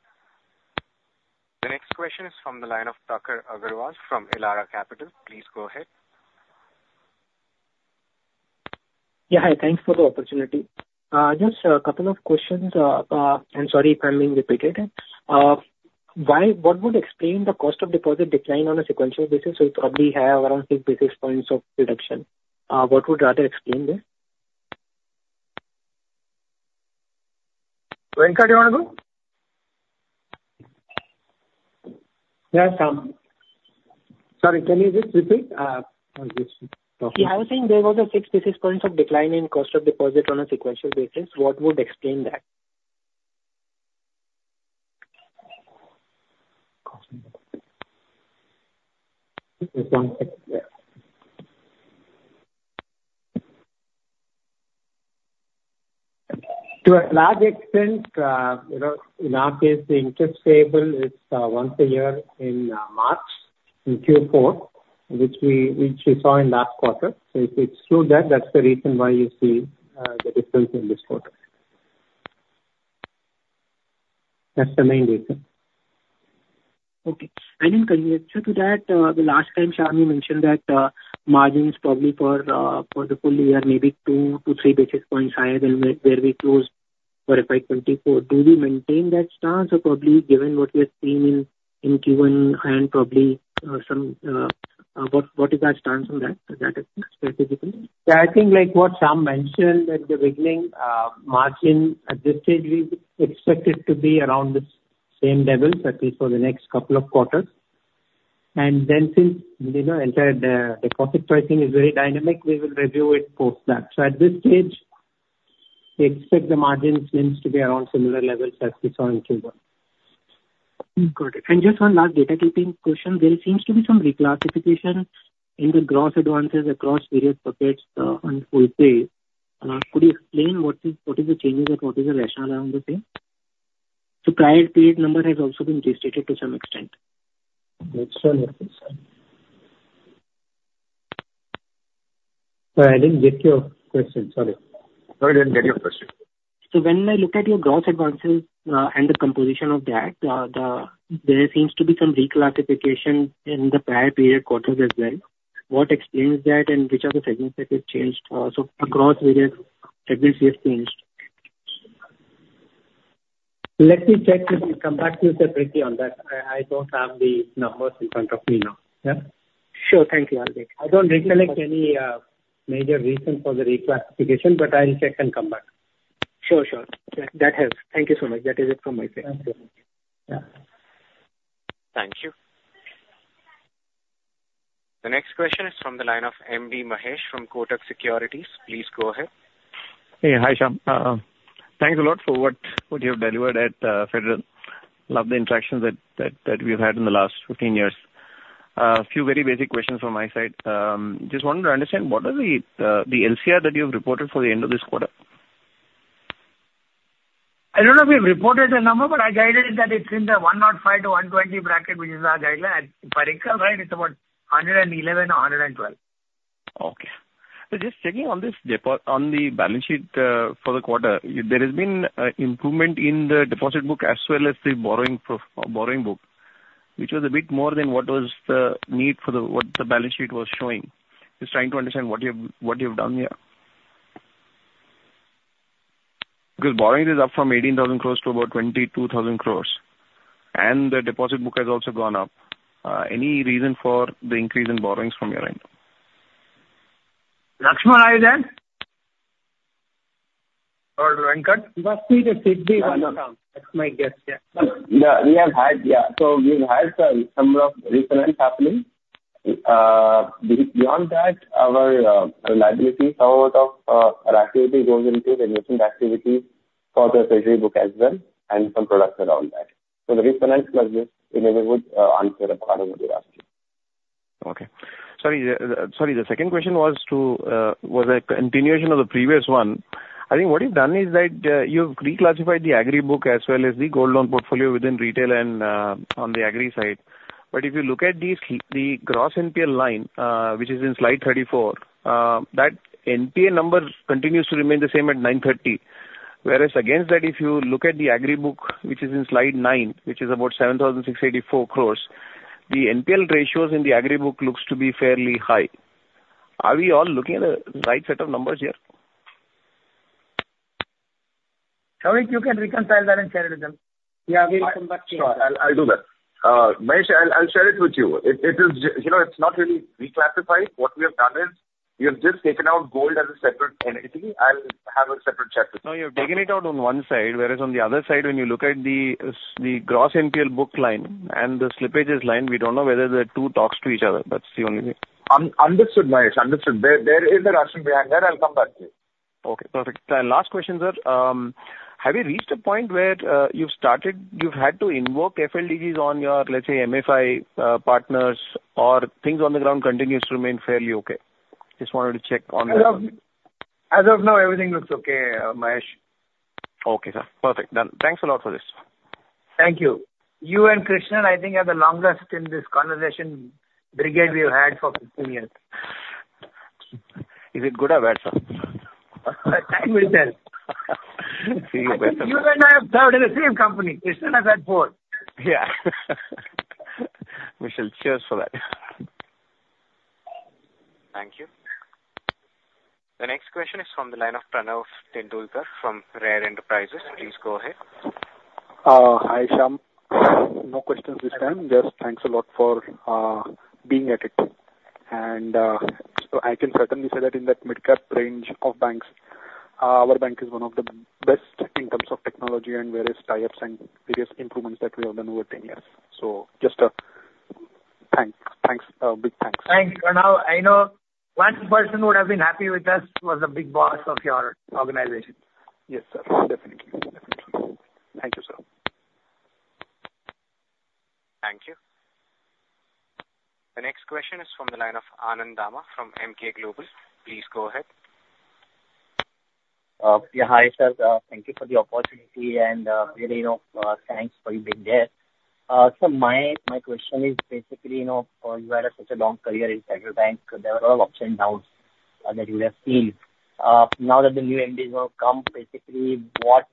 Speaker 1: The next question is from the line of Prakhar Agarwal from Elara Capital. Please go ahead.
Speaker 14: Yeah, hi. Thanks for the opportunity. Just a couple of questions, and sorry if I'm being repeated. Why, what would explain the cost of deposit decline on a sequential basis? We probably have around three basis points of reduction. What would rather explain this?
Speaker 3: Venkat, you want to go?
Speaker 5: Yeah, Shyam. Sorry, can you just repeat? I was just talking.
Speaker 3: Yeah, I was saying there was a six basis points of decline in cost of deposit on a sequential basis. What would explain that?
Speaker 5: Just one second there. To a large extent, you know, in our case, the interest payable is once a year in March in Q4, which we, which we saw in last quarter. So if we exclude that, that's the reason why you see the difference in this quarter. That's the main reason.
Speaker 14: Okay. In conjunction to that, the last time Shyam you mentioned that, margins probably for the full year maybe two-three basis points higher than where we closed for FY2024. Do we maintain that stance or probably given what we have seen in Q1 and probably some, what is our stance on that specifically? Yeah, I think like what Shyam mentioned at the beginning, margin at this stage we expect it to be around this same levels, at least for the next couple of quarters. And then since, you know, entire, deposit pricing is very dynamic, we will review it post that. So at this stage, we expect the margins needs to be around similar levels as we saw in Q1. Got it. Just one last housekeeping question. There seems to be some reclassification in the gross advances across various buckets, on full pay. Could you explain what is, what is the changes and what is the rationale around this thing? The prior period number has also been restated to some extent.
Speaker 3: Sorry, I didn't get your question. Sorry.
Speaker 5: No, I didn't get your question.
Speaker 14: So when I look at your gross advances, and the composition of that, there seems to be some reclassification in the prior period quarters as well. What explains that and which are the segments that you've changed, so across various segments you have changed? Let me check with you. Come back to you separately on that. I, I don't have the numbers in front of me now. Yeah?
Speaker 5: Sure. Thank you.
Speaker 14: I don't recollect any major reason for the reclassification, but I'll check and come back.
Speaker 5: Sure, sure. That helps. Thank you so much. That is it from my side.
Speaker 14: Thank you.
Speaker 1: Thank you. The next question is from the line of M.B. Mahesh from Kotak Securities. Please go ahead.
Speaker 15: Hey, hi Shyam. Thanks a lot for what you have delivered at Federal. Love the interactions that we've had in the last 15 years. A few very basic questions from my side. Just wanted to understand what are the LCR that you have reported for the end of this quarter?
Speaker 3: I don't know if we've reported the number, but our guideline is that it's in the 105-120 bracket, which is our guideline. At period end, right, it's about 111 or 112.
Speaker 15: Okay. So just checking on this deposits on the balance sheet, for the quarter, there has been an improvement in the deposit book as well as the borrowing profile, borrowing book, which was a bit more than what was the need for what the balance sheet was showing. Just trying to understand what you have, what you have done here. Because borrowings are up from 18,000 crore to about 22,000 crore, and the deposit book has also gone up. Any reason for the increase in borrowings from your end?
Speaker 3: Lakshman, are you there? Or Venkat?
Speaker 5: You asked me to take the.
Speaker 3: No, no.
Speaker 5: That's my guess, yeah. Yeah, we have had. Yeah. So we've had some number of refinance happening. Beyond that, our liabilities, how a lot of our activity goes into the emerging activity for the treasury book as well and some products around that. So the refinance was just enabled with answer of what I wanted to ask you.
Speaker 15: Okay. Sorry, the second question was a continuation of the previous one. I think what you've done is that, you've reclassified the agri book as well as the gold loan portfolio within retail and, on the agri side. But if you look at these, the gross NPL line, which is in slide 34, that NPL number continues to remain the same at 930 crore. Whereas against that, if you look at the agri book, which is in slide nine, which is about 7,684 crore, the NPL ratios in the agri book looks to be fairly high. Are we all looking at the right set of numbers here?
Speaker 3: Shalini, you can reconcile that and share it with him. Yeah, we'll come back to you.
Speaker 5: Sure. I'll do that. Mahesh, I'll share it with you. It is, you know, it's not really reclassified. What we have done is we have just taken out gold as a separate entity. I'll have a separate chat with you.
Speaker 15: No, you've taken it out on one side, whereas on the other side, when you look at the gross NPL book line and the slippages line, we don't know whether the two talk to each other. That's the only thing.
Speaker 5: Understood, Mahesh. Understood. There, there is a rationale behind that. I'll come back to you.
Speaker 15: Okay. Perfect. Last question, sir. Have you reached a point where, you've started, you've had to invoke FLDGs on your, let's say, MFI, partners or things on the ground continues to remain fairly okay? Just wanted to check on.
Speaker 5: As of now, everything looks okay, Mahesh.
Speaker 15: Okay, sir. Perfect. Thanks a lot for this.
Speaker 3: Thank you. You and Krishnan, I think, are the longest in this conversation brigade we've had for 15 years.
Speaker 5: Is it good or bad, sir?
Speaker 3: Time will tell.
Speaker 5: See you better.
Speaker 3: You and I have served in the same company. Krishnan has had four.
Speaker 5: Yeah. We shall cheer for that.
Speaker 1: Thank you. The next question is from the line of Pranav Tendulkar from Rare Enterprises. Please go ahead.
Speaker 16: Hi, Shyam. No questions this time. Just thanks a lot for being at it. And so I can certainly say that in that mid-cap range of banks, our bank is one of the best in terms of technology and various types and various improvements that we have done over 10 years. So just a thanks. Thanks. Big thanks.
Speaker 3: Thanks, Pranav. I know one person who would have been happy with us was a big boss of your organization.
Speaker 16: Yes, sir. Definitely. Definitely. Thank you, sir.
Speaker 1: Thank you. The next question is from the line of Anand Dama from Emkay Global. Please go ahead.
Speaker 17: Yeah, hi sir. Thank you for the opportunity and, really, you know, thanks for you being there. So my, my question is basically, you know, you had such a long career in Federal Bank. There were a lot of ups and downs that you have seen. Now that the new MDs have come, basically, what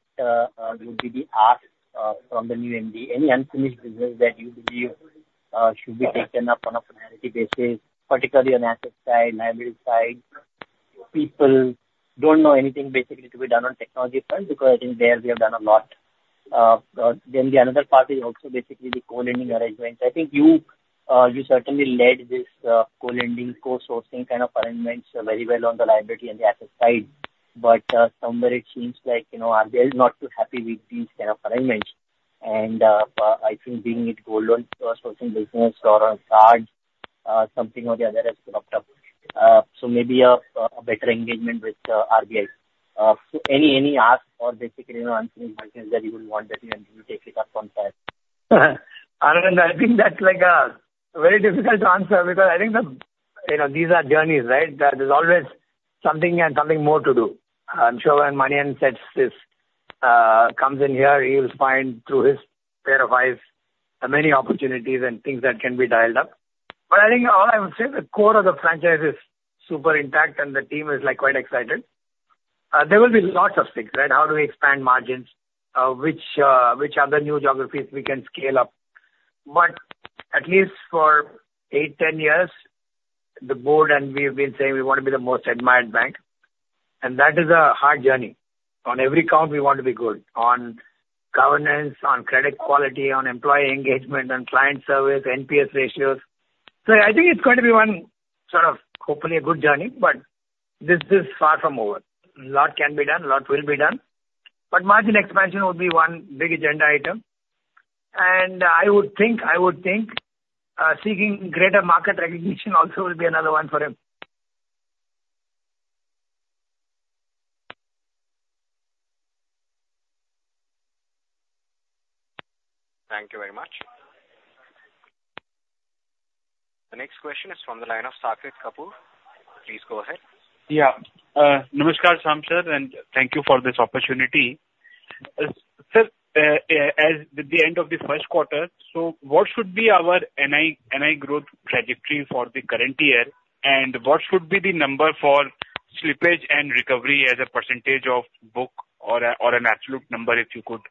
Speaker 17: would be the ask from the new MD? Any unfinished business that you believe should be taken up on a priority basis, particularly on asset side, liability side, people don't know anything basically to be done on technology front because I think there we have done a lot. Then the another part is also basically the co-lending arrangement. I think you certainly led this co-lending, co-sourcing kind of arrangements very well on the liability and the asset side. But somewhere it seems like, you know, RBI is not too happy with these kind of arrangements. And I think being in gold loan sourcing business or on card, something or the other has been opted up. So maybe a better engagement with RBI. So any ask or basically, you know, unfinished business that you would want that you want to take it up on that?
Speaker 3: Anand, I think that's like a very difficult answer because I think the, you know, these are journeys, right? There's always something and something more to do. I'm sure when Manian sets this, comes in here, he will find through his pair of eyes many opportunities and things that can be dialed up. But I think all I would say, the core of the franchise is super intact and the team is like quite excited. There will be lots of things, right? How do we expand margins? Which other new geographies we can scale up? But at least for eight, 10 years, the board and we have been saying we want to be the most admired bank. And that is a hard journey. On every count, we want to be good on governance, on credit quality, on employee engagement, on client service, NPS ratios. So I think it's going to be one sort of hopefully a good journey, but this is far from over. A lot can be done, a lot will be done. But margin expansion would be one big agenda item. And I would think, I would think, seeking greater market recognition also would be another one for him.
Speaker 1: Thank you very much. The next question is from the line of Saket Kapoor. Please go ahead.
Speaker 18: Yeah. Namaskar, Shyam sir, and thank you for this opportunity. Sir, as with the end of the first quarter, so what should be our NII, NII growth trajectory for the current year? And what should be the number for slippage and recovery as a percentage of book or a, or an absolute number if you could,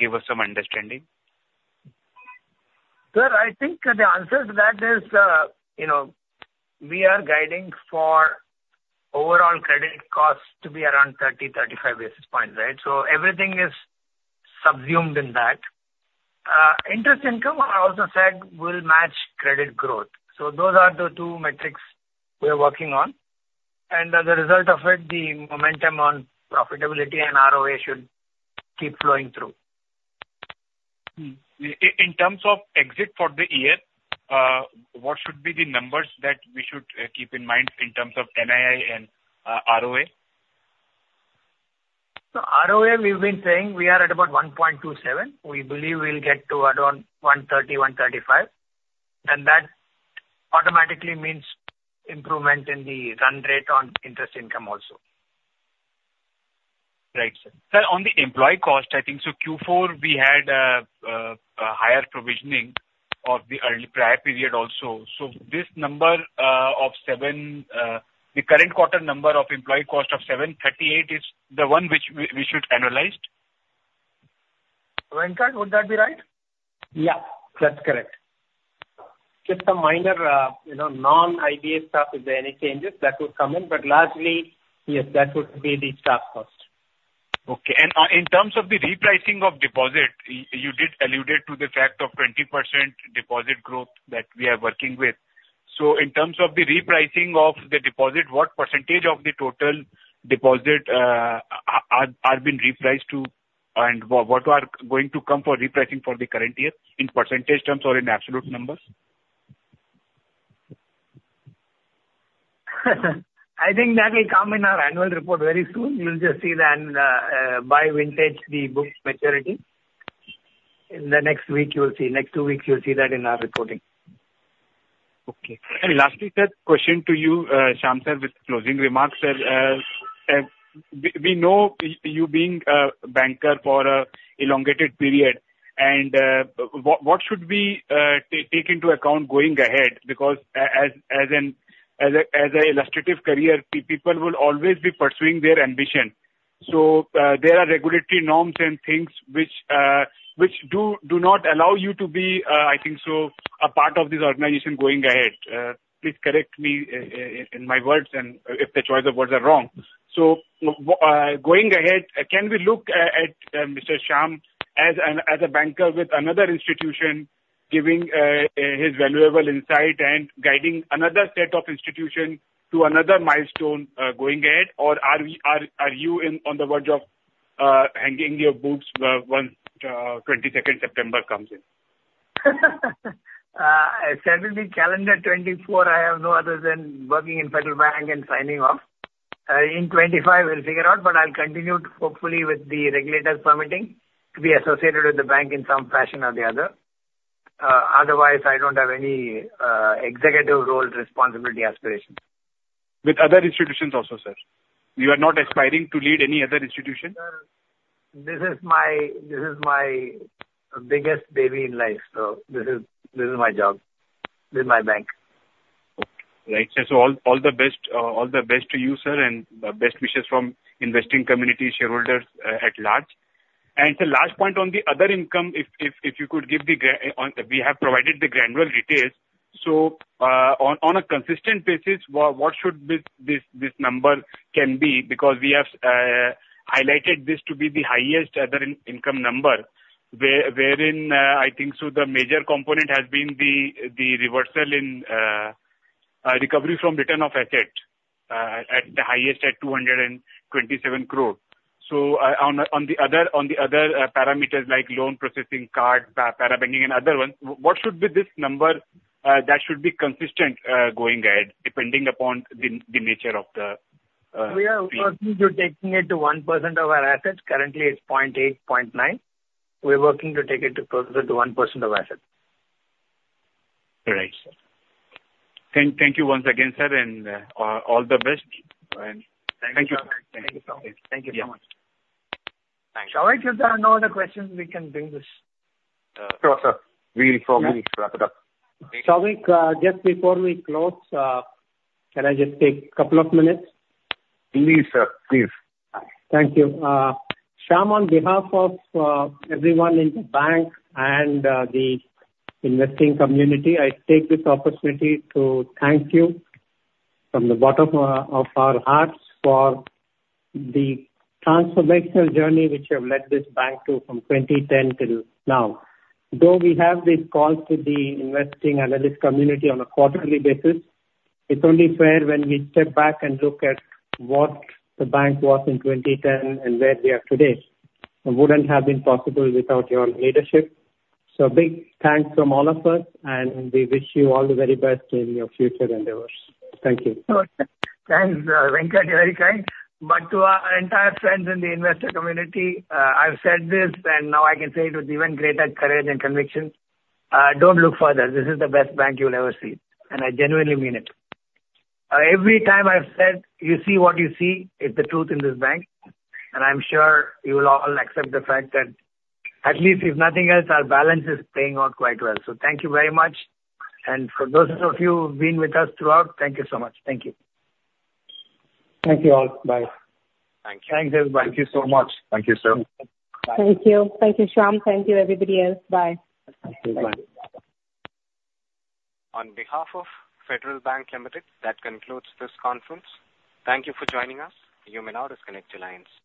Speaker 18: give us some understanding?
Speaker 3: Sir, I think the answer to that is, you know, we are guiding for overall credit cost to be around 30-35 basis points, right? So everything is subsumed in that. Interest income, I also said, will match credit growth. So those are the two metrics we are working on. And as a result of it, the momentum on profitability and ROA should keep flowing through. In terms of exit for the year, what should be the numbers that we should keep in mind in terms of NII and ROA? ROA, we've been saying we are at about 1.27. We believe we'll get to around 1.30, 1.35. That automatically means improvement in the run rate on interest income also.
Speaker 18: Right, sir. Sir, on the employee cost, I think so Q4 we had higher provisioning of the early prior period also. So this number of seven, the current quarter number of employee cost of 738 is the one which we should analyze?
Speaker 3: Venkat, would that be right?
Speaker 5: Yeah, that's correct. Just some minor, you know, non-IBA stuff, if there are any changes that would come in. But largely, yes, that would be the staff cost.
Speaker 18: Okay. In terms of the repricing of deposit, you did allude to the fact of 20% deposit growth that we are working with. So in terms of the repricing of the deposit, what percentage of the total deposit are being repriced to, and what are going to come for repricing for the current year in percentage terms or in absolute numbers?
Speaker 3: I think that will come in our annual report very soon. You'll just see that in the, by vintage the book maturity. In the next week, you'll see. Next two weeks, you'll see that in our reporting.
Speaker 18: Okay. And lastly, sir, question to you, Shyam sir, with closing remarks, sir. We know you being a banker for an elongated period. And what should we take into account going ahead? Because as an illustrious career, people will always be pursuing their ambition. So, there are regulatory norms and things which do not allow you to be, I think so, a part of this organization going ahead. Please correct me in my words and if the choice of words are wrong. So going ahead, can we look at Mr. Shyam as a banker with another institution giving his valuable insight and guiding another set of institution to another milestone, going ahead? Or are you on the verge of hanging up your boots once 22nd September comes in?
Speaker 3: It's certainly calendar 2024. I have no other than working in Federal Bank and signing off. In 2025, we'll figure out. But I'll continue hopefully with the regulator permitting to be associated with the bank in some fashion or the other. Otherwise, I don't have any executive role responsibility aspirations.
Speaker 18: With other institutions also, sir? You are not aspiring to lead any other institution?
Speaker 5: Sir, this is my biggest baby in life. So this is my job with my bank. Right, sir. So all the best to you, sir, and the best wishes from investing community shareholders at large. The last point on the other income, if you could give the run rate on, we have provided the granular details. So, on a consistent basis, what should this number be? Because we have highlighted this to be the highest other income number, wherein I think the major component has been the reversal, recovery from written-off asset at the highest at 227 crore. So, on the other parameters like loan processing, card, para-banking, and other ones, what should be this number that should be consistent going ahead depending upon the nature of the?
Speaker 3: We are working to taking it to 1% of our asset. Currently, it's 0.8%-0.9%. We're working to take it to closer to 1% of asset.
Speaker 18: Right, sir. Thank you once again, sir. And, all the best. And thank you.
Speaker 3: Thank you, sir. Thank you, sir. Thank you so much.
Speaker 2: Thank you.
Speaker 3: Souvik, if there are no other questions, we can bring this.
Speaker 2: Sure, sir. We'll probably wrap it up.
Speaker 5: Souvik, just before we close, can I just take a couple of minutes?
Speaker 2: Indeed, sir. Please.
Speaker 5: Thank you. Shyam, on behalf of everyone in the bank and the investing community, I take this opportunity to thank you from the bottom of our hearts for the transformational journey which you have led this bank to from 2010 till now. Though we have these calls to the investing analyst community on a quarterly basis, it's only fair when we step back and look at what the bank was in 2010 and where we are today. It wouldn't have been possible without your leadership. So a big thanks from all of us, and we wish you all the very best in your future endeavors.
Speaker 2: Thank you. Sure. Thanks, Venkat. You're very kind. But to our entire friends in the investor community, I've said this, and now I can say it with even greater courage and conviction. Don't look further. This is the best bank you'll ever see.
Speaker 18: I genuinely mean it. Every time I've said, "You see what you see," it's the truth in this bank. I'm sure you will all accept the fact that at least, if nothing else, our balance sheet is playing out quite well. Thank you very much. And for those of you who've been with us throughout, thank you so much. Thank you.
Speaker 3: Thank you all. Bye. Thank you.
Speaker 2: Thanks, everybody.
Speaker 3: Thank you so much.
Speaker 5: Thank you, sir.
Speaker 9: Thank you. Thank you, Shyam. Thank you, everybody else. Bye.
Speaker 5: Thank you. Bye.
Speaker 1: On behalf of Federal Bank Limited, that concludes this conference. Thank you for joining us. You may now disconnect your lines.